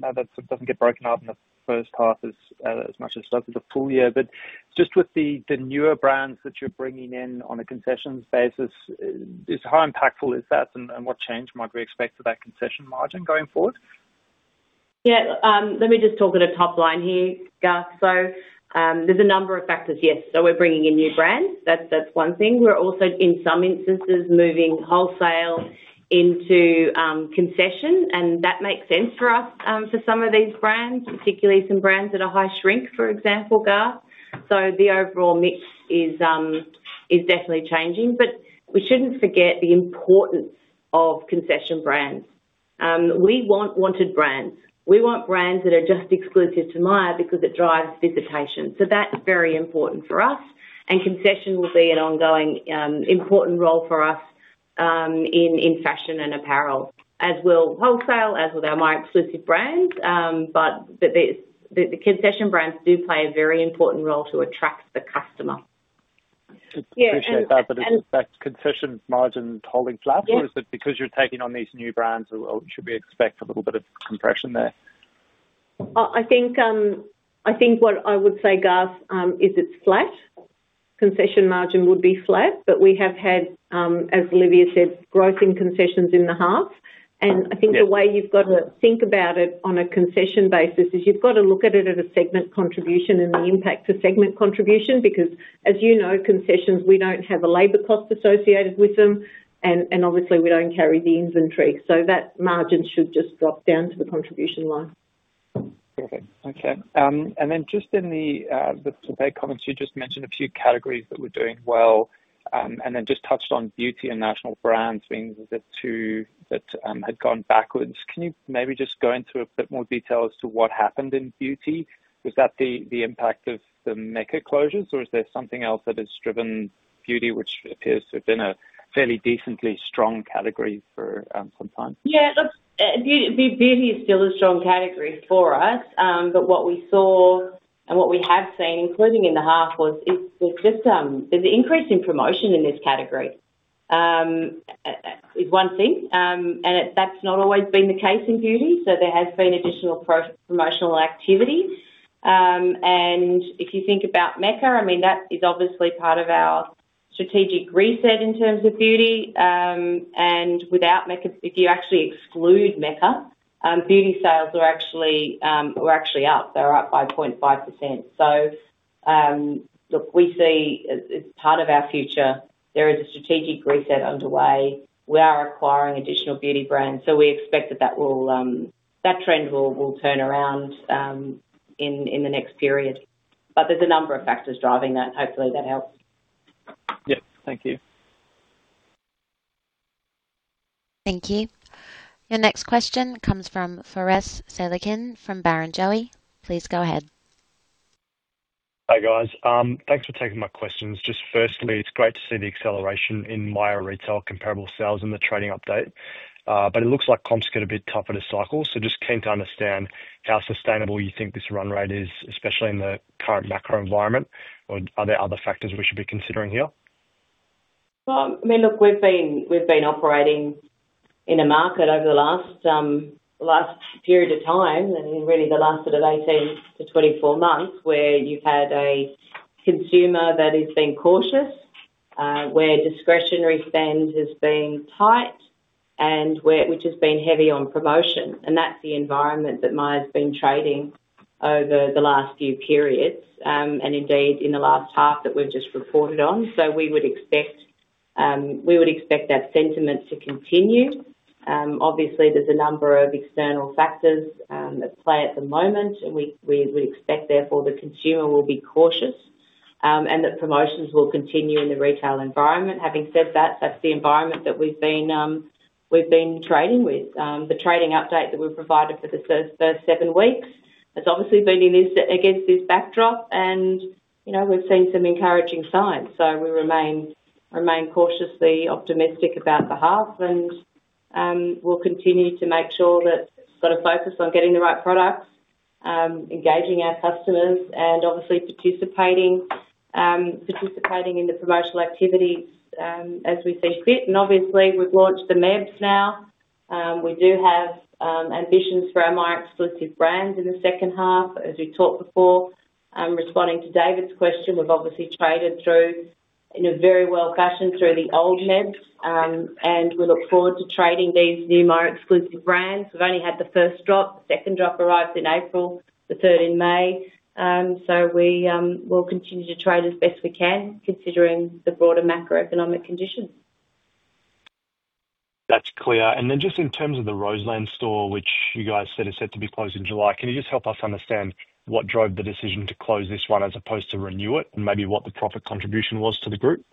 know that doesn't get broken up in the first half as much as it does with the full-year. Just with the newer brands that you're bringing in on a concession basis, just how impactful is that and what change might we expect for that concession margin going forward? Yeah. Let me just talk at a top line here, Garth. There's a number of factors. Yes, we're bringing in new brands. That's one thing. We're also, in some instances, moving wholesale into concession, and that makes sense for us for some of these brands, particularly some brands that are high shrink, for example, Garth. The overall mix is definitely changing. But we shouldn't forget the importance of concession brands. We want brands. We want brands that are just exclusive to Myer because it drives visitation. That's very important for us, and concession will be an ongoing important role for us in fashion and apparel, as will wholesale, as will our Myer-exclusive brands. But the concession brands do play a very important role to attract the customer. Yeah, and- Appreciate that. Is that concession margin holding flat? Yeah. Is it because you're taking on these new brands, or should we expect a little bit of compression there? I think what I would say, Garth, is it's flat. Concession margin would be flat, but we have had, as Olivia said, growth in concessions in the half. Yeah. I think the way you've got to think about it on a concession basis is you've got to look at it at a segment contribution and the impact to segment contribution because, as you know, concessions, we don't have a labor cost associated with them and obviously we don't carry the inventory, so that margin should just drop down to the contribution line. Perfect. Okay. Then just in the today comments, you just mentioned a few categories that were doing well, and then just touched on beauty and national brands being the two that had gone backwards. Can you maybe just go into a bit more detail as to what happened in beauty? Was that the impact of the MECCA closures, or is there something else that has driven beauty, which appears to have been a fairly decently strong category for some time? Yeah. Look, beauty is still a strong category for us. What we saw and what we have seen, including in the half, is there's just an increase in promotion in this category, is one thing. That's not always been the case in beauty. There has been additional promotional activity. If you think about MECCA, I mean, that is obviously part of our strategic reset in terms of beauty. If you actually exclude MECCA, beauty sales are actually up. They're up by 0.5%. Look, we see it's part of our future. There is a strategic reset underway. We are acquiring additional beauty brands, so we expect that trend will turn around in the next period. There's a number of factors driving that. Hopefully that helps. Yeah. Thank you. Thank you. Your next question comes from Feras Salekhin from Barrenjoey. Please go ahead. Hi, guys. Thanks for taking my questions. Just firstly, it's great to see the acceleration in Myer retail comparable sales in the trading update. It looks like comps get a bit tougher to cycle. Just keen to understand how sustainable you think this run rate is, especially in the current macro environment, or are there other factors we should be considering here? Well, I mean, look, we've been operating in a market over the last period of time, and really the last sort of 18-24 months, where you've had a consumer that has been cautious, where discretionary spend has been tight and which has been heavy on promotion. That's the environment that Myer's been trading over the last few periods, and indeed in the last half that we've just reported on. We would expect that sentiment to continue. Obviously there's a number of external factors at play at the moment and we expect, therefore, the consumer will be cautious, and that promotions will continue in the retail environment. Having said that's the environment that we've been trading with. The trading update that we've provided for the first seven weeks has obviously been in this against this backdrop. You know, we've seen some encouraging signs. We remain cautiously optimistic about the half, and we'll continue to make sure that sort of focus on getting the right products, engaging our customers and obviously participating in the promotional activities, as we see fit. Obviously we've launched the MEBs now. We do have ambitions for our Myer Exclusive Brands in the second half. As we talked before, responding to David's question, we've obviously traded through in a very well fashion through the old MEBs. We look forward to trading these new Myer Exclusive Brands. We've only had the first drop. The second drop arrives in April, the third in May. We'll continue to trade as best we can considering the broader macroeconomic conditions. That's clear. Just in terms of the Roselands store, which you guys said is set to be closed in July, can you just help us understand what drove the decision to close this one as opposed to renew it and maybe what the profit contribution was to the group?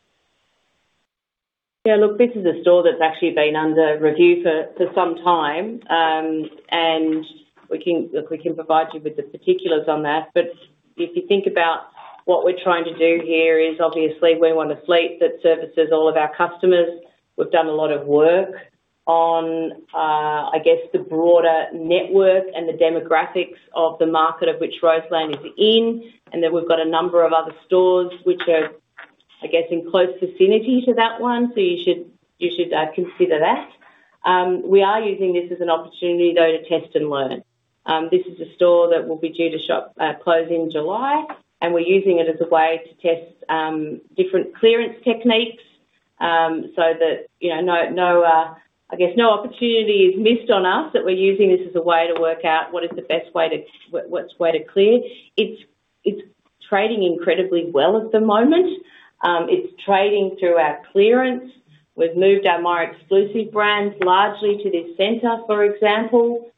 Yeah, look, this is a store that's actually been under review for some time. We can provide you with the particulars on that. If you think about what we're trying to do here is obviously we want a fleet that services all of our customers. We've done a lot of work on, I guess, the broader network and the demographics of the market of which Roselands is in, and then we've got a number of other stores which are, I guess, in close vicinity to that one. You should consider that. We are using this as an opportunity, though, to test and learn. This is a store that will be due to close in July, and we're using it as a way to test different clearance techniques so that, you know, no opportunity is missed on us that we're using this as a way to work out what is the best way to clear. It's trading incredibly well at the moment. It's trading through our clearance. We've moved our Myer Exclusive Brands largely to this center, for example,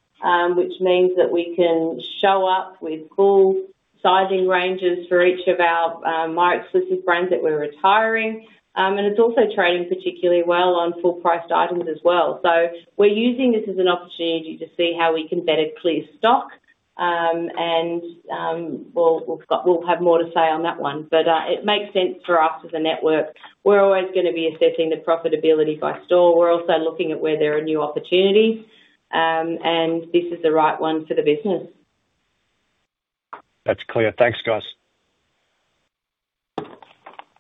which means that we can show up with full sizing ranges for each of our Myer Exclusive Brands that we're retiring. It's also trading particularly well on full-priced items as well. We're using this as an opportunity to see how we can better clear stock. We'll have more to say on that one, but it makes sense for us as a network. We're always gonna be assessing the profitability by store. We're also looking at where there are new opportunities, and this is the right one for the business. That's clear. Thanks, guys.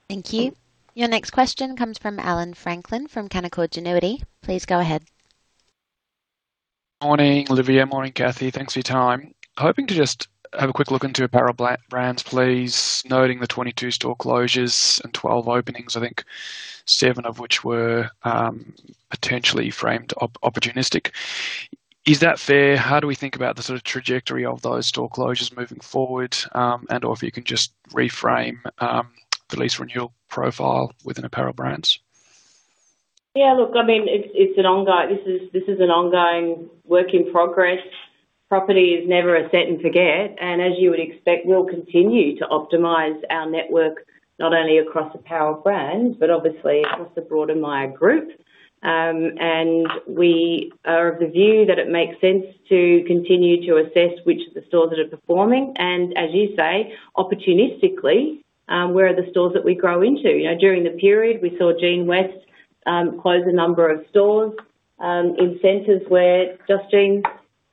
Thank you. Your next question comes from Allan Franklin from Canaccord Genuity. Please go ahead. Morning, Olivia. Morning, Kathy. Thanks for your time. Hoping to just have a quick look into Apparel Brands, please. Noting the 22 store closures and 12 openings, I think seven of which were potentially framed opportunistic. Is that fair? How do we think about the sort of trajectory of those store closures moving forward, or if you can just reframe the lease renewal profile within Apparel Brands. Yeah, look, I mean, it's an ongoing work in progress. Property is never a set and forget, and as you would expect, we'll continue to optimize our network not only across Apparel Brands, but obviously across the broader Myer Group. We are of the view that it makes sense to continue to assess which of the stores that are performing and, as you say, opportunistically, where are the stores that we grow into. You know, during the period we saw Jeanswest close a number of stores in centers where Just Jeans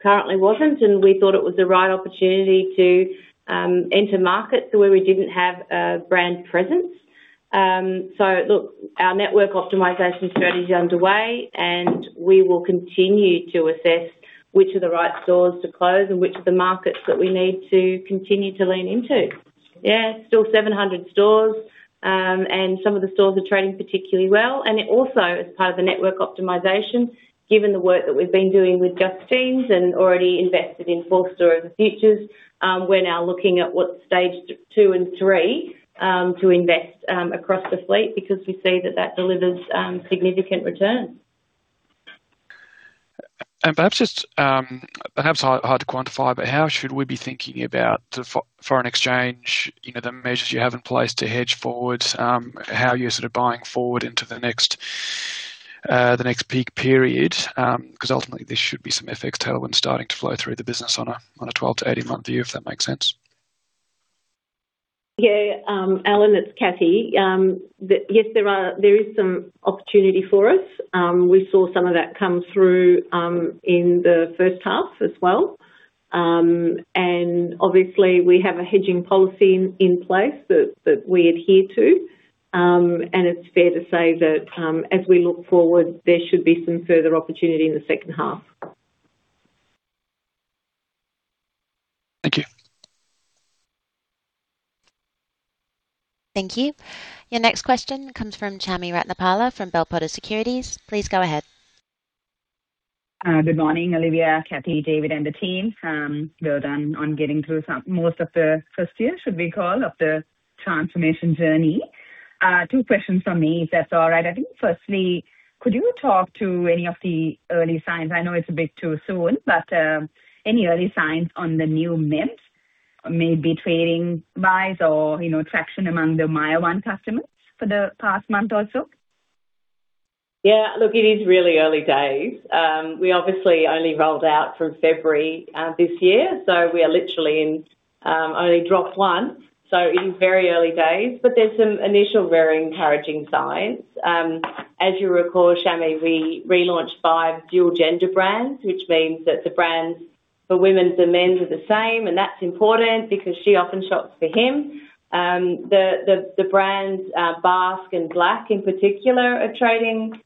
currently wasn't, and we thought it was the right opportunity to enter markets where we didn't have a brand presence. Look, our network optimization strategy's underway, and we will continue to assess which are the right stores to close and which are the markets that we need to continue to lean into. Yeah, still 700 stores, and some of the stores are trading particularly well. It also is part of the network optimization, given the work that we've been doing with Just Jeans and already invested in four store overhauls, we're now looking at stages two and three to invest across the fleet because we see that delivers significant returns. Perhaps just hard to quantify, but how should we be thinking about the foreign exchange, you know, the measures you have in place to hedge forward, how you're sort of buying forward into the next peak period? 'Cause ultimately this should be some FX tailwind starting to flow through the business on a 12-18-month view. If that makes sense. Allan, it's Kathy. Yes, there is some opportunity for us. We saw some of that come through in the first half as well. Obviously we have a hedging policy in place that we adhere to. It's fair to say that as we look forward, there should be some further opportunity in the second half. Thank you. Thank you. Your next question comes from Chami Ratnapala from Bell Potter Securities. Please go ahead. Good morning, Olivia, Kathy, David, and the team. Well done on getting through most of the first year, should we call, of the transformation journey. Two questions from me, if that's all right. I think firstly, could you talk to any of the early signs? I know it's a bit too soon, but any early signs on the new mix maybe trading wise or, you know, traction among the Myer One customers for the past month also? Yeah. Look, it is really early days. We obviously only rolled out from February this year. We are literally in only drop one, so it is very early days. There's some initial very encouraging signs. As you recall, Chami, we relaunched five dual gender brands, which means that the brands for women's and men's are the same. That's important because she often shops for him. The brands, Basque and Blaq in particular, are trading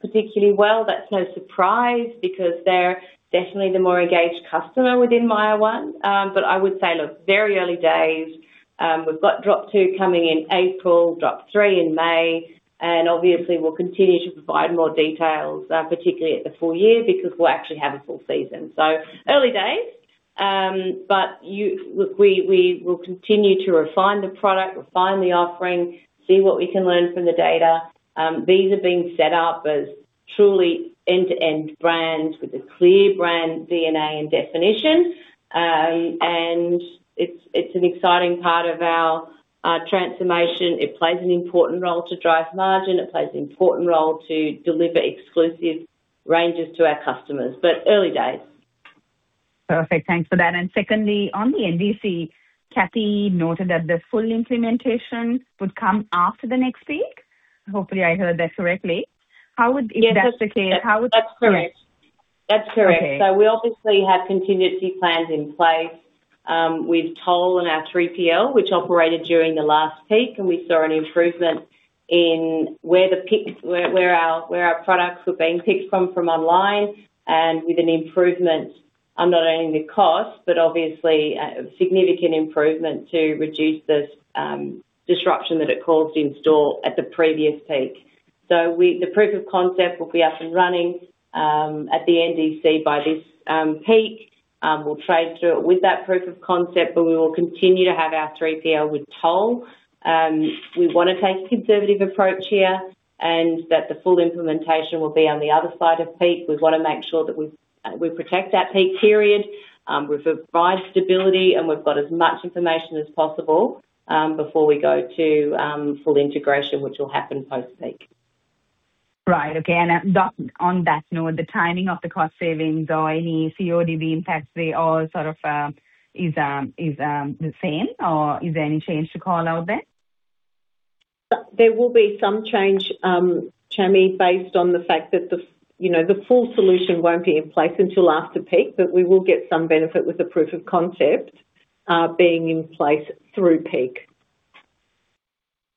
particularly well. That's no surprise because they're definitely the more engaged customer within Myer One. I would say, look, very early days. We've got drop two coming in April, drop three in May, and obviously we'll continue to provide more details, particularly at the full-year because we'll actually have a full season. Early days. We will continue to refine the product, refine the offering, see what we can learn from the data. These are being set up as truly end-to-end brands with a clear brand DNA and definition. It's an exciting part of our transformation. It plays an important role to drive margin. It plays an important role to deliver exclusive ranges to our customers. Early days. Perfect. Thanks for that. Secondly, on the NDC, Kathy noted that the full implementation would come after the next peak. Hopefully, I heard that correctly. How would- Yes. If that's the case, how would- That's correct. That's correct. Okay. We obviously have contingency plans in place with Toll and our 3PL, which operated during the last peak, and we saw an improvement in where our products were being picked from online and with an improvement on not only the cost, but obviously a significant improvement to reduce the disruption that it caused in store at the previous peak. The proof of concept will be up and running at the NDC by this peak. We'll trade through it with that proof of concept, but we will continue to have our 3PL with Toll. We wanna take a conservative approach here and that the full implementation will be on the other side of peak. We wanna make sure that we protect that peak period. We've provided stability, and we've got as much information as possible before we go to full integration, which will happen post-peak. Right. Okay. On that note, the timing of the cost savings or any COD impacts there or sort of is the same or is there any change to call out there? There will be some change, Chami, based on the fact that you know, the full solution won't be in place until after peak, but we will get some benefit with the proof of concept being in place through peak.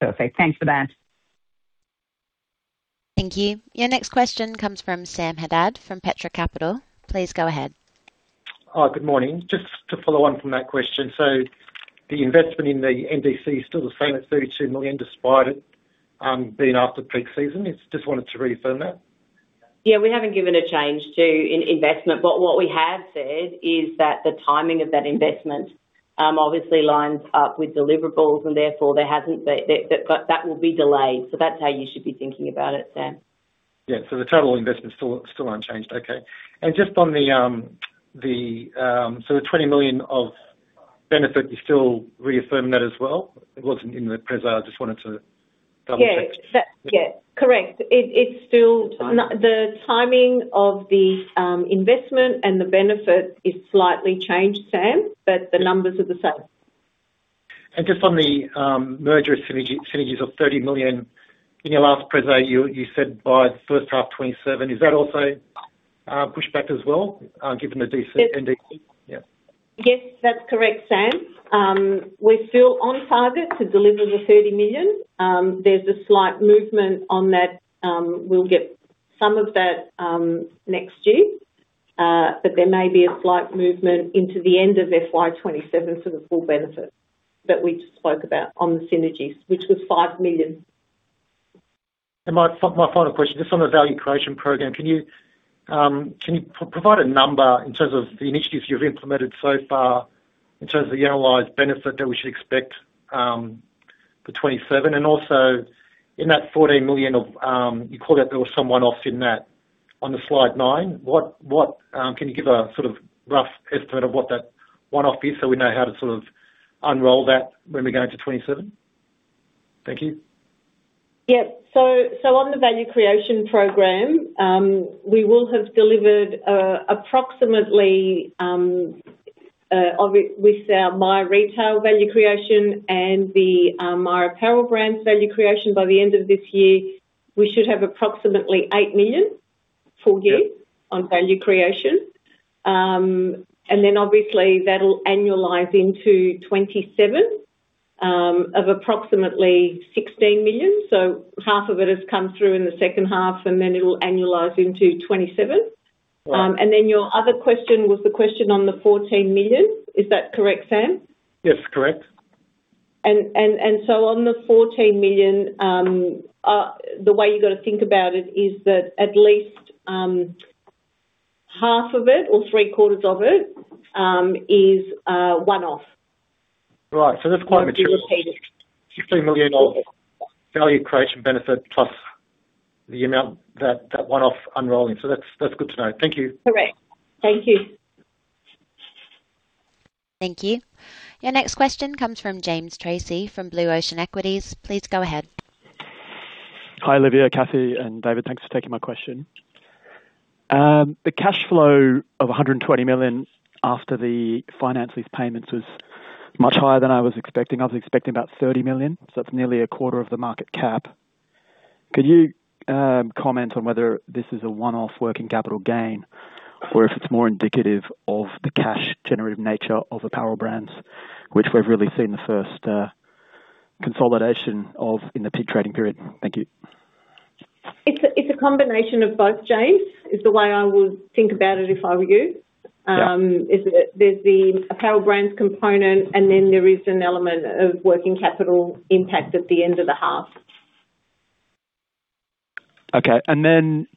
Perfect. Thanks for that. Thank you. Your next question comes from Sam Haddad from Petra Capital. Please go ahead. Hi, good morning. Just to follow on from that question. The investment in the NDC is still the same at 32 million, despite it being after peak season. Just wanted to reaffirm that. Yeah, we haven't given a change to our investment, but what we have said is that the timing of that investment obviously lines up with deliverables, and therefore there hasn't been a change, but that will be delayed. That's how you should be thinking about it, Sam. Yeah. The total investment's still unchanged. Okay. Just on the 20 million of benefit, you're still reaffirming that as well? It wasn't in the presentation. I just wanted to double-check. Yeah. Correct. It's still- The timing. The timing of the investment and the benefit is slightly changed, Sam. Yeah. The numbers are the same. Just on the merger synergies of 30 million. In your last presentation, you said by the first half 2027. Is that also pushed back as well given the NDC? Yeah. Yes, that's correct, Sam. We're still on target to deliver the 30 million. There's a slight movement on that. We'll get some of that next year. There may be a slight movement into the end of FY 2027 for the full benefit that we just spoke about on the synergies, which was 5 million. My final question, just on the value creation program, can you provide a number in terms of the initiatives you've implemented so far, in terms of the annualized benefit that we should expect for FY 2027. Also in that 14 million, you call that there was some one-off in that. On the slide nine, what can you give a sort of rough estimate of what that one-off is, so we know how to sort of unroll that when we go into FY 2027? Thank you. Yep. On the Value Creation Program, we will have delivered approximately with our Myer Retail Value Creation and the Myer Apparel Brands Value Creation. By the end of this year, we should have approximately 8 million full-year- Yep. On value creation. Obviously that'll annualize into 2027 of approximately 16 million. Half of it has come through in the second half, and then it'll annualize into 2027. Right. Your other question was the question on the 14 million. Is that correct, Sam? Yes, correct. On the 14 million, the way you got to think about it is that at least half of it or three quarters of it is a one-off. Right. That's quite material. Won't be repeated. AUD 16 million. Yep. Value creation benefit plus the amount that one-off unrolling. That's good to know. Thank you. Correct. Thank you. Thank you. Your next question comes from James Tracey from Blue Ocean Equities. Please go ahead. Hi, Olivia, Kathy, and David. Thanks for taking my question. The cash flow of 120 million after the financing payments was much higher than I was expecting. I was expecting about 30 million, so it's nearly a quarter of the market cap. Could you comment on whether this is a one-off working capital gain or if it's more indicative of the cash generative nature of Apparel Brands, which we've really seen the first consolidation of in the peak trading period? Thank you. It's a combination of both, James. It is the way I would think about it if I were you. Yeah. Is it there's the Apparel Brands component, and then there is an element of working capital impact at the end of the half. Okay. Then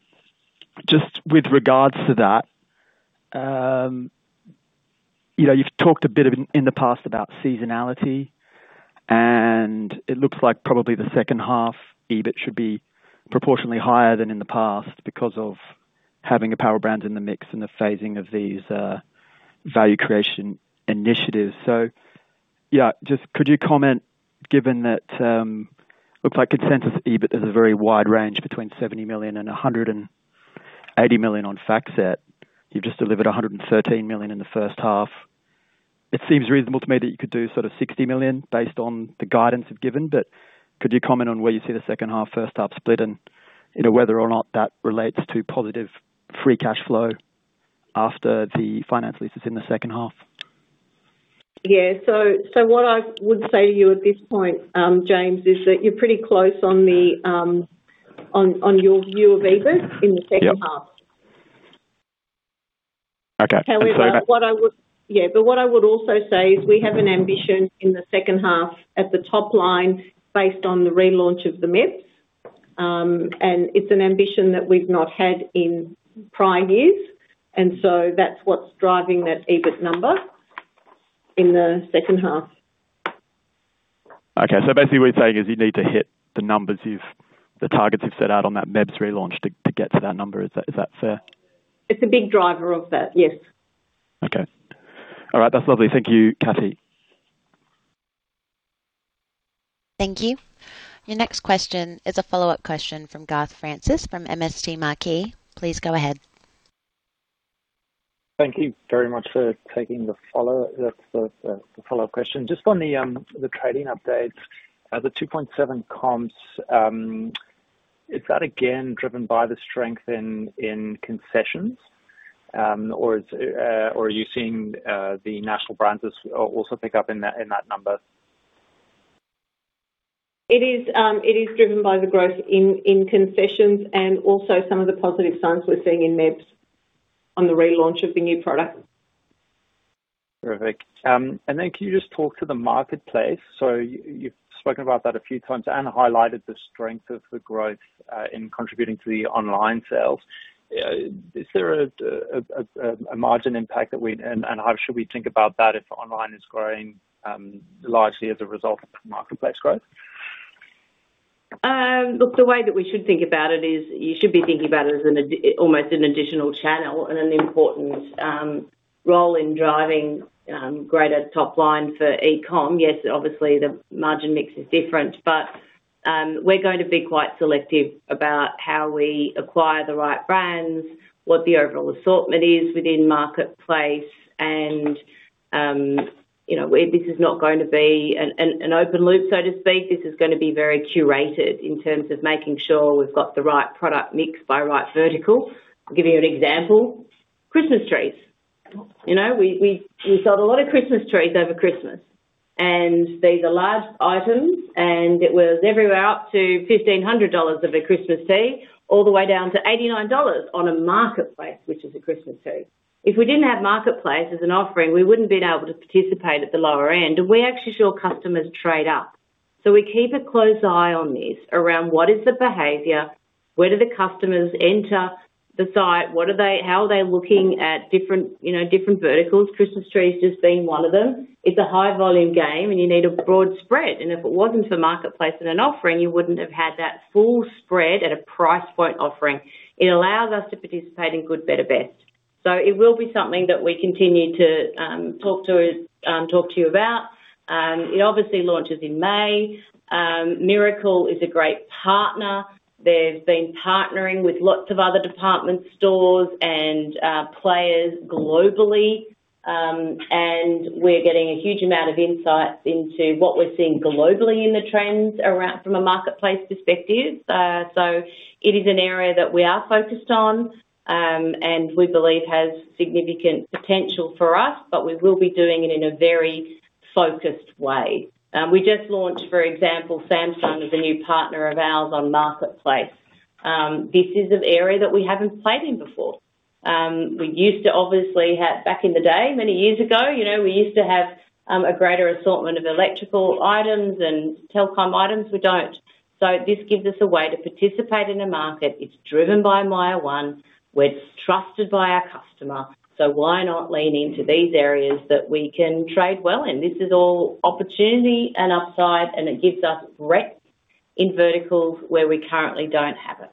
just with regards to that, you know, you've talked a bit in the past about seasonality, and it looks like probably the second half EBIT should be proportionally higher than in the past because of having Apparel Brands in the mix and the phasing of these value creation initiatives. Yeah, just could you comment, given that, looks like consensus EBIT is a very wide range between 70 million and 180 million on FactSet. You've just delivered 113 million in the first half. It seems reasonable to me that you could do sort of 60 million based on the guidance you've given. Could you comment on where you see the second half, first half split and, you know, whether or not that relates to positive free cash flow after the finance leases in the second half? Yeah. What I would say to you at this point, James, is that you're pretty close on your view of EBIT in the second half. Yep. Okay. What I would- And so that- What I would also say is we have an ambition in the second half at the top line based on the relaunch of the MEBs. It's an ambition that we've not had in prior years. That's what's driving that EBIT number in the second half. Okay. Basically what you're saying is you need to hit the numbers, the targets you've set out on that MEBs relaunch to get to that number. Is that fair? It's a big driver of that, yes. Okay. All right. That's lovely. Thank you, Kathy. Thank you. Your next question is a follow-up question from Garth Francis from MST Marquee. Please go ahead. Thank you very much for taking the follow-up question. Just on the trading update, the 2.7% comps, is that again driven by the strength in concessions, or are you seeing the national brands as also pick up in that number? It is driven by the growth in concessions and also some of the positive signs we're seeing in MEBs on the relaunch of the new product. Terrific. Can you just talk to the Marketplace? You've spoken about that a few times and highlighted the strength of the growth in contributing to the online sales. Is there a margin impact, and how should we think about that if online is growing largely as a result of the Marketplace growth? Look, the way that we should think about it is you should be thinking about it as an additional channel and an important role in driving greater top line for e-com. Yes, obviously the margin mix is different, but we're going to be quite selective about how we acquire the right brands, what the overall assortment is within Marketplace and you know, where this is not going to be an open loop, so to speak. This is gonna be very curated in terms of making sure we've got the right product mix by right vertical. I'll give you an example. Christmas trees. You know, we sold a lot of Christmas trees over Christmas, and these are large items, and it was everywhere up to 1,500 dollars of a Christmas tree all the way down to 89 dollars on a Marketplace, which is a Christmas tree. If we didn't have Marketplace as an offering, we wouldn't been able to participate at the lower end. We're actually sure customers trade up. We keep a close eye on this around what is the behavior. Where do the customers enter the site? What are they looking at different, you know, different verticals, Christmas trees just being one of them. It's a high-volume game, and you need a broad spread. If it wasn't for Marketplace and an offering, you wouldn't have had that full spread at a price point offering. It allows us to participate in good, better, best. It will be something that we continue to talk to you about. It obviously launches in May. Mirakl is a great partner. They've been partnering with lots of other department stores and players globally. We're getting a huge amount of insights into what we're seeing globally in the trends around from a marketplace perspective. It is an area that we are focused on, and we believe has significant potential for us, but we will be doing it in a very focused way. We just launched, for example, Samsung is a new partner of ours on Marketplace. This is an area that we haven't played in before. We used to obviously have back in the day, many years ago, you know, we used to have a greater assortment of electrical items and telecom items. We don't. This gives us a way to participate in a market. It's driven by Myer One. We're trusted by our customer, so why not lean into these areas that we can trade well in? This is all opportunity and upside, and it gives us breadth in verticals where we currently don't have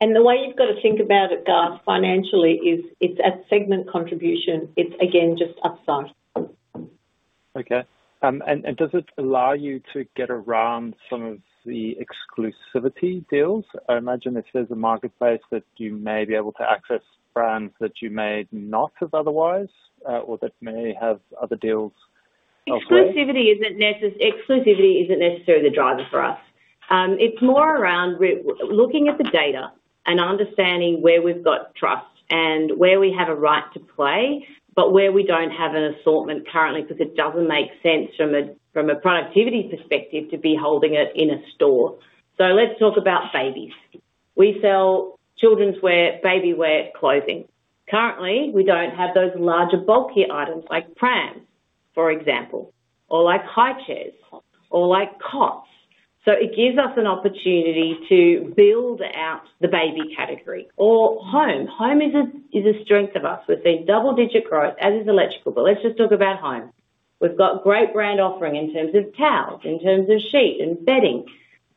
it. The way you've got to think about it, Garth, financially is it's at segment contribution. It's again, just upside. Okay. Does it allow you to get around some of the exclusivity deals? I imagine if there's a marketplace that you may be able to access brands that you may not have otherwise, or that may have other deals elsewhere. Exclusivity isn't necessarily the driver for us. It's more around we're looking at the data and understanding where we've got trust and where we have a right to play, but where we don't have an assortment currently because it doesn't make sense from a productivity perspective to be holding it in a store. Let's talk about babies. We sell children's wear, baby wear clothing. Currently, we don't have those larger, bulkier items like prams, for example, or like high chairs or like cots. It gives us an opportunity to build out the baby category or home. Home is a strength of ours. We've seen double-digit growth, as is electrical, but let's just talk about home. We've got great brand offering in terms of towels, in terms of sheet and bedding.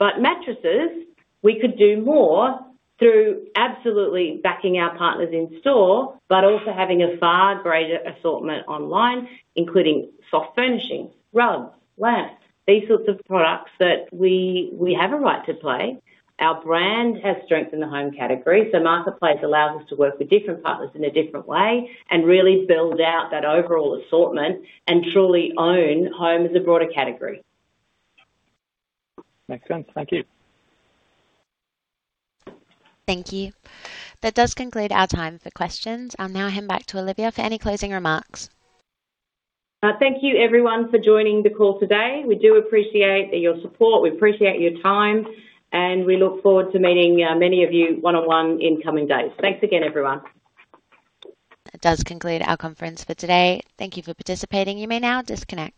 Mattresses, we could do more through absolutely backing our partners in store, but also having a far greater assortment online, including soft furnishings, rugs, lamps, these sorts of products that we have a right to play. Our brand has strength in the home category, so Marketplace allows us to work with different partners in a different way and really build out that overall assortment and truly own home as a broader category. Makes sense. Thank you. Thank you. That does conclude our time for questions. I'll now hand back to Olivia for any closing remarks. Thank you everyone for joining the call today. We do appreciate your support. We appreciate your time, and we look forward to meeting many of you one-on-one in coming days. Thanks again, everyone. That does conclude our conference for today. Thank you for participating. You may now disconnect.